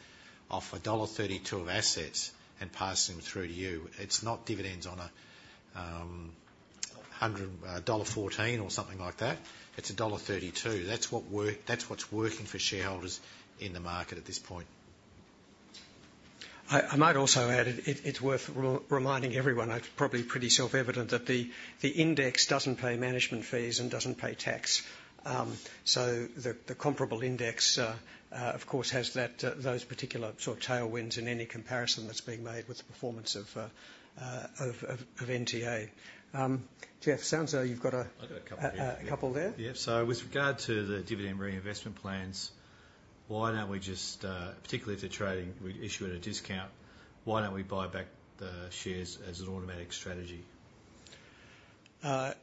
B: off dollar 1.32 of assets and passing them through to you. It's not dividends on a hundred, AUD 1.14 or something like that. It's dollar 1.32. That's what's working for shareholders in the market at this point.
A: I might also add, it's worth re-reminding everyone, it's probably pretty self-evident that the index doesn't pay management fees and doesn't pay tax. So the comparable index, of course, has that, those particular sort of tailwinds in any comparison that's being made with the performance of NTA. Jeff, sounds like you've got a-
B: I've got a couple here.
A: A couple there?
B: Yeah, so with regard to the dividend reinvestment plans, why don't we just, particularly if they're trading, we issue at a discount, why don't we buy back the shares as an automatic strategy?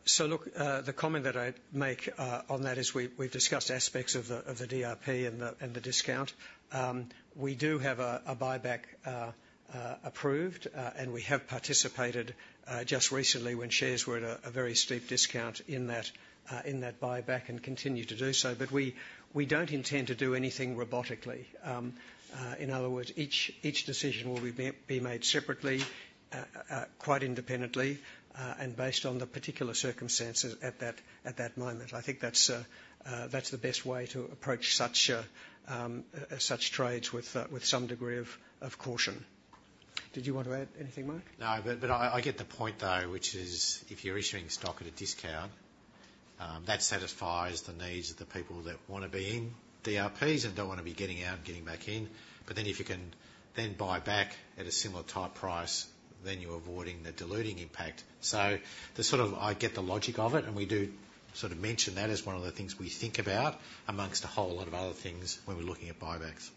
A: So look, the comment that I'd make on that is we've discussed aspects of the DRP and the discount. We do have a buyback approved, and we have participated just recently when shares were at a very steep discount in that buyback, and continue to do so. But we don't intend to do anything robotically. In other words, each decision will be made separately, quite independently, and based on the particular circumstances at that moment. I think that's the best way to approach such trades with some degree of caution. Did you want to add anything, Mike?
B: No, but I get the point, though, which is if you're issuing stock at a discount, that satisfies the needs of the people that wanna be in DRPs and don't wanna be getting out and getting back in. But then, if you can then buy back at a similar type price, then you're avoiding the diluting impact. So I get the logic of it, and we do sort of mention that as one of the things we think about amongst a whole lot of other things when we're looking at buybacks.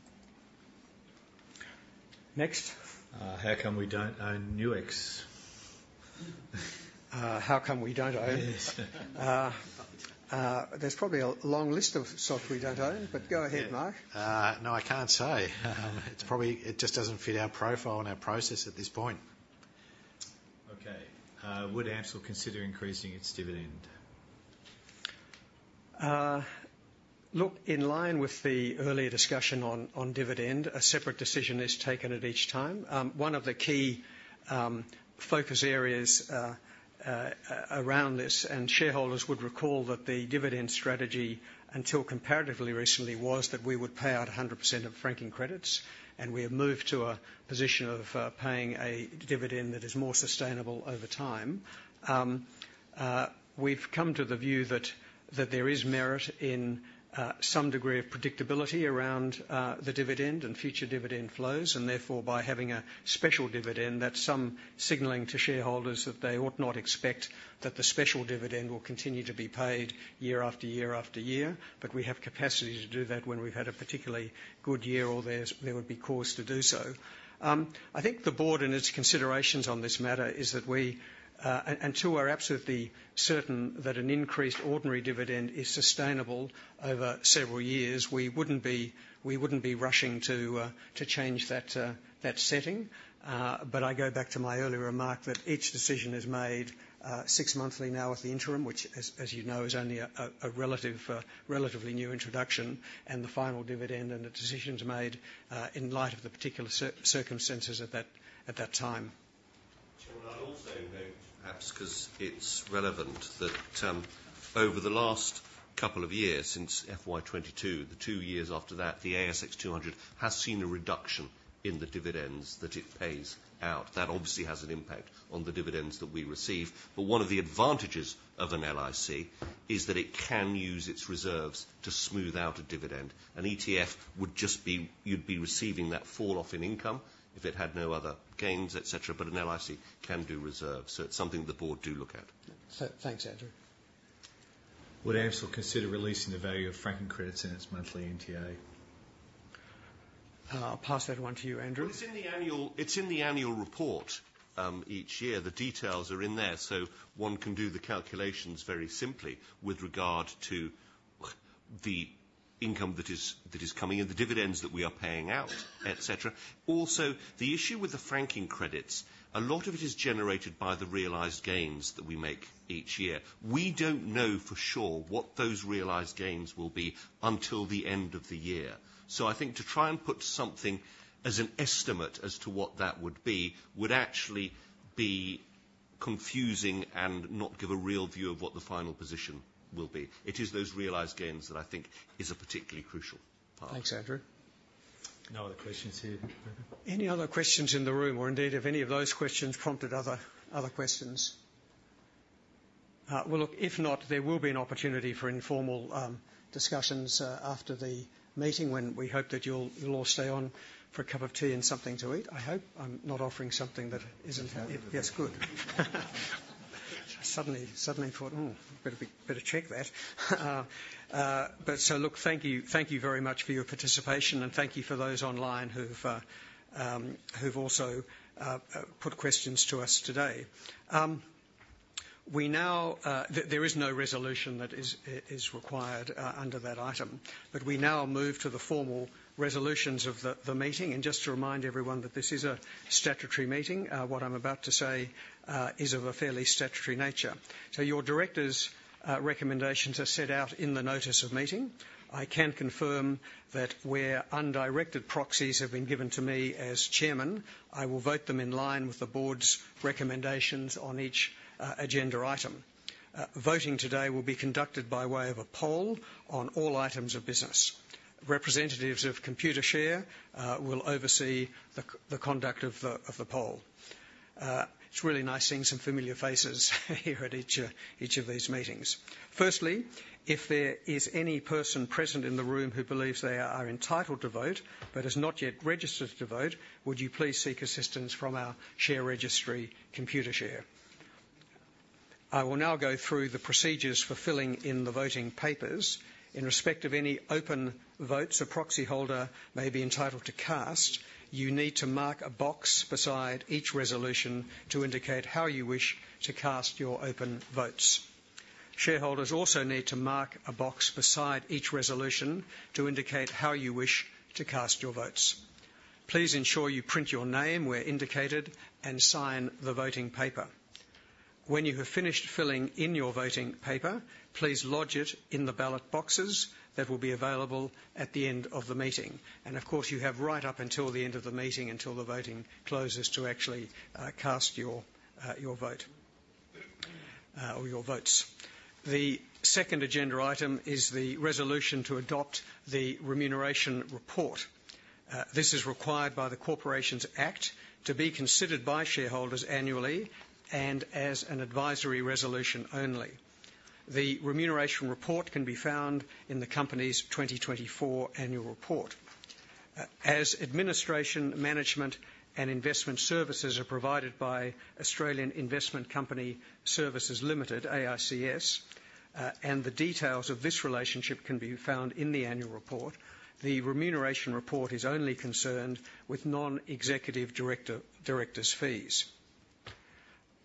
A: Next.
G: How come we don't own Nuix?
A: How come we don't own?
G: Yes.
A: There's probably a long list of stuff we don't own, but go ahead, Mike.
B: Yeah. No, I can't say. It's probably, it just doesn't fit our profile and our process at this point.
G: Okay. Would AMCIL consider increasing its dividend?
A: Look, in line with the earlier discussion on dividend, a separate decision is taken at each time. One of the key focus areas around this, and shareholders would recall that the dividend strategy, until comparatively recently, was that we would pay out 100% of franking credits, and we have moved to a position of paying a dividend that is more sustainable over time. We've come to the view that there is merit in some degree of predictability around the dividend and future dividend flows, and therefore, by having a special dividend, that's some signaling to shareholders that they ought not expect that the special dividend will continue to be paid year after year after year. But we have capacity to do that when we've had a particularly good year or there would be cause to do so. I think the board and its considerations on this matter is that we. And till we're absolutely certain that an increased ordinary dividend is sustainable over several years, we wouldn't be rushing to change that setting. But I go back to my earlier remark, that each decision is made six monthly now at the interim, which, as you know, is only a relatively new introduction, and the final dividend and the decisions made in light of the particular circumstances at that time.
G: Sure. I'll also note, perhaps because it's relevant, that, over the last couple of years, since FY twenty-two, the two years after that, the ASX two hundred has seen a reduction in the dividends that it pays out. That obviously has an impact on the dividends that we receive, but one of the advantages of an LIC is that it can use its reserves to smooth out a dividend. An ETF would just be, you'd be receiving that falloff in income if it had no other gains, et cetera, but an LIC can do reserves, so it's something the board do look at.
A: So thanks, Andrew....
H: Would AMCIL consider releasing the value of franking credits in its monthly NTA?
A: I'll pass that one to you, Andrew.
G: It's in the annual, it's in the annual report, each year. The details are in there, so one can do the calculations very simply with regard to the income that is, that is coming in, the dividends that we are paying out, et cetera. Also, the issue with the franking credits, a lot of it is generated by the realized gains that we make each year. We don't know for sure what those realized gains will be until the end of the year. So I think to try and put something as an estimate as to what that would be, would actually be confusing and not give a real view of what the final position will be. It is those realized gains that I think is a particularly crucial part.
A: Thanks, Andrew.
H: No other questions here, Rupert.
A: Any other questions in the room, or indeed, if any of those questions prompted other, other questions? Well, look, if not, there will be an opportunity for informal discussions after the meeting, when we hope that you'll all stay on for a cup of tea and something to eat, I hope. I'm not offering something that isn't-
H: Yeah.
A: Yes, good. I suddenly thought, "Oh, better check that." But so look, thank you very much for your participation, and thank you for those online who've also put questions to us today. We now... There is no resolution that is required under that item. But we now move to the formal resolutions of the meeting. And just to remind everyone that this is a statutory meeting, what I'm about to say is of a fairly statutory nature. So your directors' recommendations are set out in the notice of meeting. I can confirm that where undirected proxies have been given to me as chairman, I will vote them in line with the board's recommendations on each agenda item. Voting today will be conducted by way of a poll on all items of business. Representatives of Computershare will oversee the conduct of the poll. It's really nice seeing some familiar faces here at each of these meetings. Firstly, if there is any person present in the room who believes they are entitled to vote, but has not yet registered to vote, would you please seek assistance from our share registry Computershare? I will now go through the procedures for filling in the voting papers. In respect of any open votes a proxy holder may be entitled to cast, you need to mark a box beside each resolution to indicate how you wish to cast your open votes. Shareholders also need to mark a box beside each resolution to indicate how you wish to cast your votes. Please ensure you print your name where indicated and sign the voting paper. When you have finished filling in your voting paper, please lodge it in the ballot boxes that will be available at the end of the meeting. And of course, you have right up until the end of the meeting, until the voting closes, to actually, cast your vote, or your votes. The second agenda item is the resolution to adopt the remuneration report. This is required by the Corporations Act to be considered by shareholders annually and as an advisory resolution only. The remuneration report can be found in the company's 2024 annual report. As administration, management, and investment services are provided by Australian Investment Company Services Limited, AICS, and the details of this relationship can be found in the annual report. The remuneration report is only concerned with non-executive director, director's fees.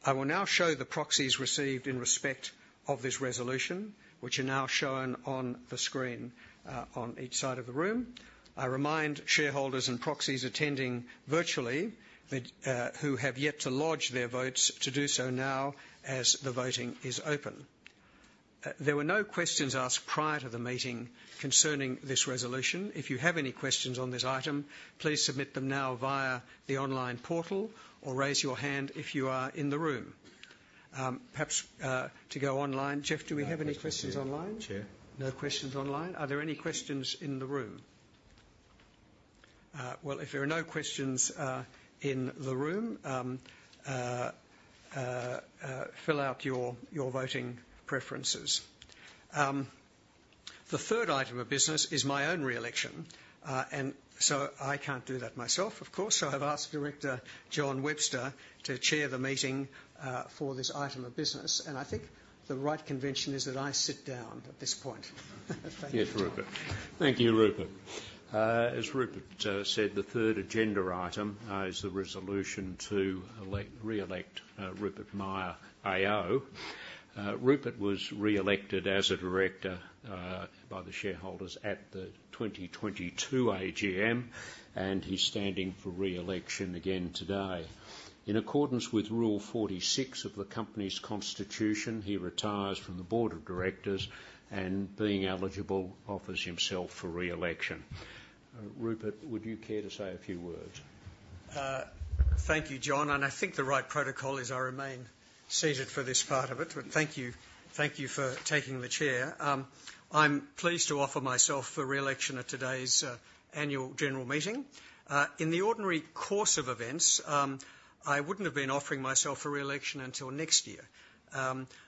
A: I will now show the proxies received in respect of this resolution, which are now shown on the screen, on each side of the room. I remind shareholders and proxies attending virtually that, who have yet to lodge their votes, to do so now, as the voting is open. There were no questions asked prior to the meeting concerning this resolution. If you have any questions on this item, please submit them now via the online portal or raise your hand if you are in the room. Perhaps to go online. Jeff, do we have any questions online?
H: Chair?
A: No questions online. Are there any questions in the room? Well, if there are no questions in the room, fill out your voting preferences. The third item of business is my own re-election, and so I can't do that myself, of course, so I've asked Director John Webster to chair the meeting for this item of business, and I think the right convention is that I sit down at this point. Thank you.
C: Yes, Rupert. Thank you, Rupert. As Rupert said, the third agenda item is the resolution to re-elect Rupert Myer, AO. Rupert was re-elected as a director by the shareholders at the 2022 AGM, and he's standing for re-election again today. In accordance with Rule 46 of the company's constitution, he retires from the board of directors and, being eligible, offers himself for re-election. Rupert, would you care to say a few words?
A: Thank you, John, and I think the right protocol is I remain seated for this part of it, but thank you, thank you for taking the chair. I'm pleased to offer myself for re-election at today's annual general meeting. In the ordinary course of events, I wouldn't have been offering myself for re-election until next year.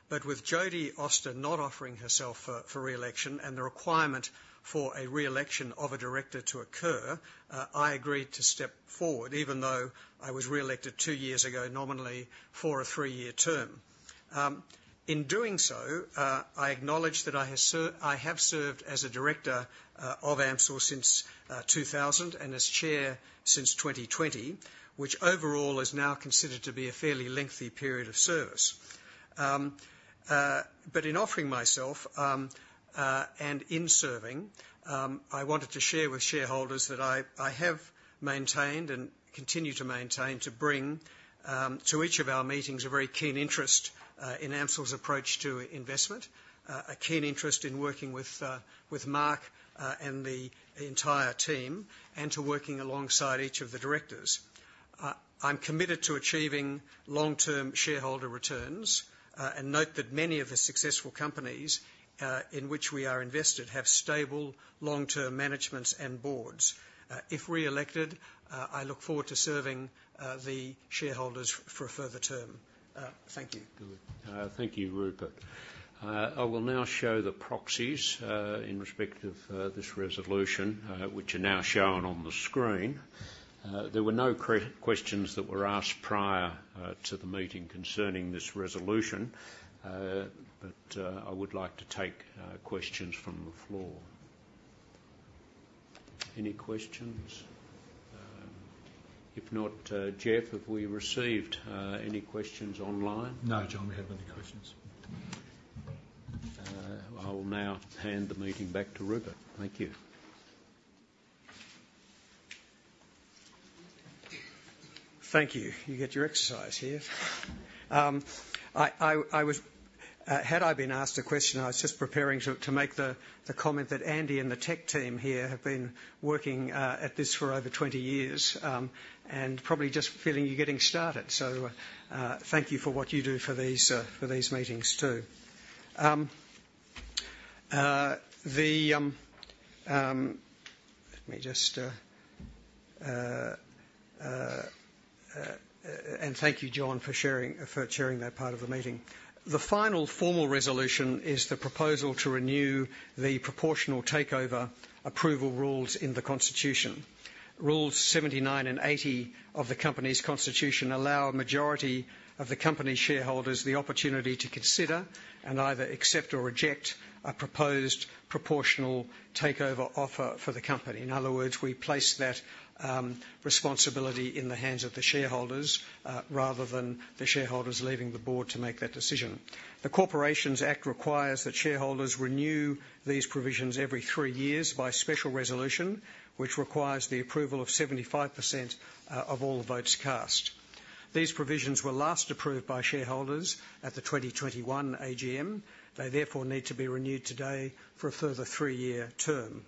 A: But with Jodi Auster not offering herself for re-election and the requirement for a re-election of a director to occur, I agreed to step forward, even though I was re-elected two years ago, nominally for a three-year term. In doing so, I acknowledge that I have served as a director of AMCIL since 2000 and as chair since 2020, which overall is now considered to be a fairly lengthy period of service. But in offering myself and in serving, I wanted to share with shareholders that I have maintained and continue to maintain to bring to each of our meetings a very keen interest in AMCIL's approach to investment, a keen interest in working with Mark and the entire team, and to working alongside each of the directors. I'm committed to achieving long-term shareholder returns and note that many of the successful companies in which we are invested have stable, long-term managements and boards. If reelected, I look forward to serving the shareholders for a further term. Thank you.
C: Good. Thank you, Rupert. I will now show the proxies in respect of this resolution, which are now shown on the screen. There were no questions that were asked prior to the meeting concerning this resolution. But I would like to take questions from the floor. Any questions? If not, Jeff, have we received any questions online?
I: No, John, we haven't any questions.
C: I will now hand the meeting back to Rupert. Thank you.
A: Thank you. You get your exercise here. Had I been asked a question, I was just preparing to make the comment that Andy and the tech team here have been working at this for over twenty years, and probably just feeling you're getting started, so thank you for what you do for these meetings, too. Thank you, John, for chairing that part of the meeting. The final formal resolution is the proposal to renew the proportional takeover approval rules in the constitution. Rules seventy-nine and eighty of the company's constitution allow a majority of the company shareholders the opportunity to consider and either accept or reject a proposed proportional takeover offer for the company. In other words, we place that responsibility in the hands of the shareholders, rather than the shareholders leaving the board to make that decision. The Corporations Act requires that shareholders renew these provisions every three years by special resolution, which requires the approval of 75% of all the votes cast. These provisions were last approved by shareholders at the 2021 AGM. They therefore need to be renewed today for a further three-year term.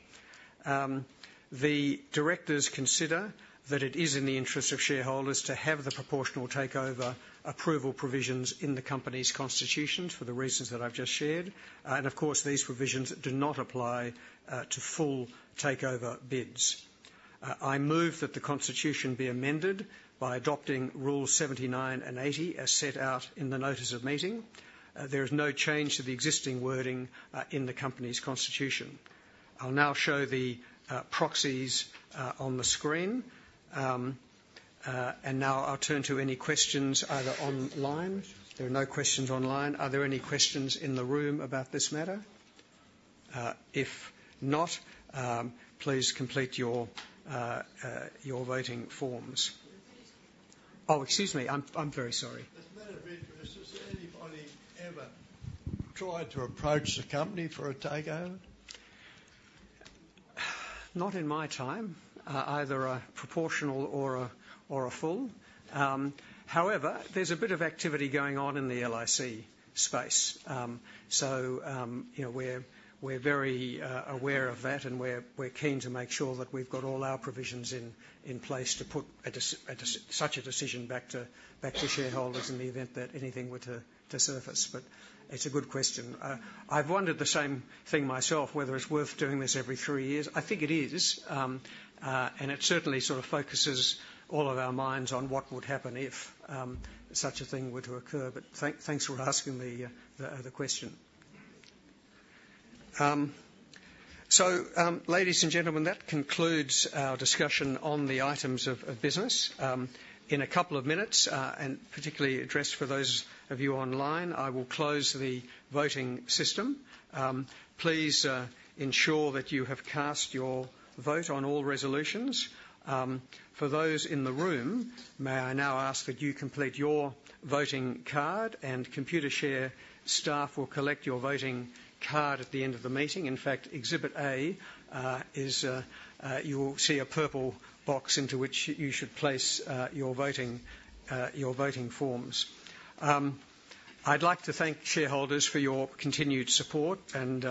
A: The directors consider that it is in the interest of shareholders to have the proportional takeover approval provisions in the company's constitution for the reasons that I've just shared, and of course, these provisions do not apply to full takeover bids. I move that the constitution be amended by adopting Rules 79 and 80, as set out in the notice of meeting. There is no change to the existing wording in the company's constitution. I'll now show the proxies on the screen. And now I'll turn to any questions, either online. There are no questions online. Are there any questions in the room about this matter? If not, please complete your voting forms. Oh, excuse me. I'm very sorry. As a matter of interest, has anybody ever tried to approach the company for a takeover? Not in my time, either a proportional or a full. However, there's a bit of activity going on in the LIC space. So, you know, we're very aware of that, and we're keen to make sure that we've got all our provisions in place to put such a decision back to shareholders in the event that anything were to surface. But it's a good question. I've wondered the same thing myself, whether it's worth doing this every three years. I think it is. And it certainly sort of focuses all of our minds on what would happen if such a thing were to occur. But thanks for asking the question. So, ladies and gentlemen, that concludes our discussion on the items of business. In a couple of minutes, and particularly addressed for those of you online, I will close the voting system. Please ensure that you have cast your vote on all resolutions. For those in the room, may I now ask that you complete your voting card, and Computershare staff will collect your voting card at the end of the meeting. In fact, Exhibit A, you will see a purple box into which you should place your voting forms. I'd like to thank shareholders for your continued support, and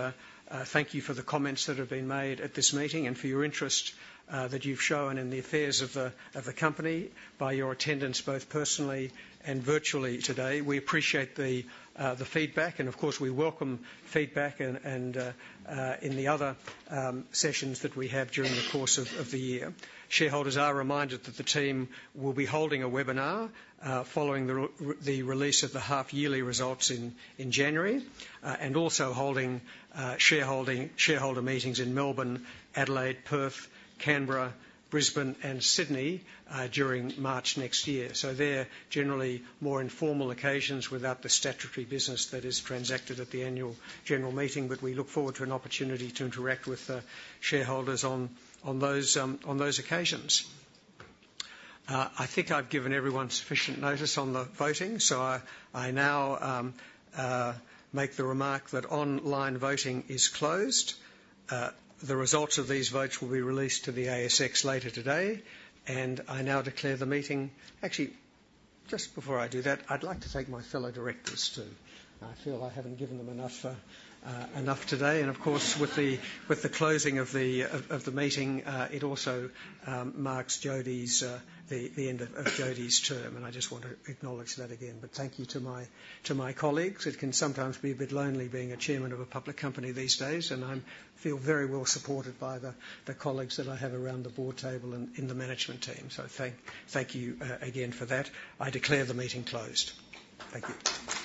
A: thank you for the comments that have been made at this meeting and for your interest that you've shown in the affairs of the company by your attendance, both personally and virtually today. We appreciate the feedback, and of course, we welcome feedback and in the other sessions that we have during the course of the year. Shareholders are reminded that the team will be holding a webinar following the release of the half-yearly results in January, and also holding shareholder meetings in Melbourne, Adelaide, Perth, Canberra, Brisbane, and Sydney during March next year. So they're generally more informal occasions without the statutory business that is transacted at the annual general meeting, but we look forward to an opportunity to interact with the shareholders on those occasions. I think I've given everyone sufficient notice on the voting, so I now make the remark that online voting is closed. The results of these votes will be released to the ASX later today, and I now declare the meeting. Actually, just before I do that, I'd like to thank my fellow directors, too. I feel I haven't given them enough today, and of course, with the closing of the meeting, it also marks the end of Jodi's term, and I just want to acknowledge that again. But thank you to my colleagues. It can sometimes be a bit lonely being a chairman of a public company these days, and I'm feel very well supported by the colleagues that I have around the board table and in the management team. So thank you again for that. I declare the meeting closed. Thank you.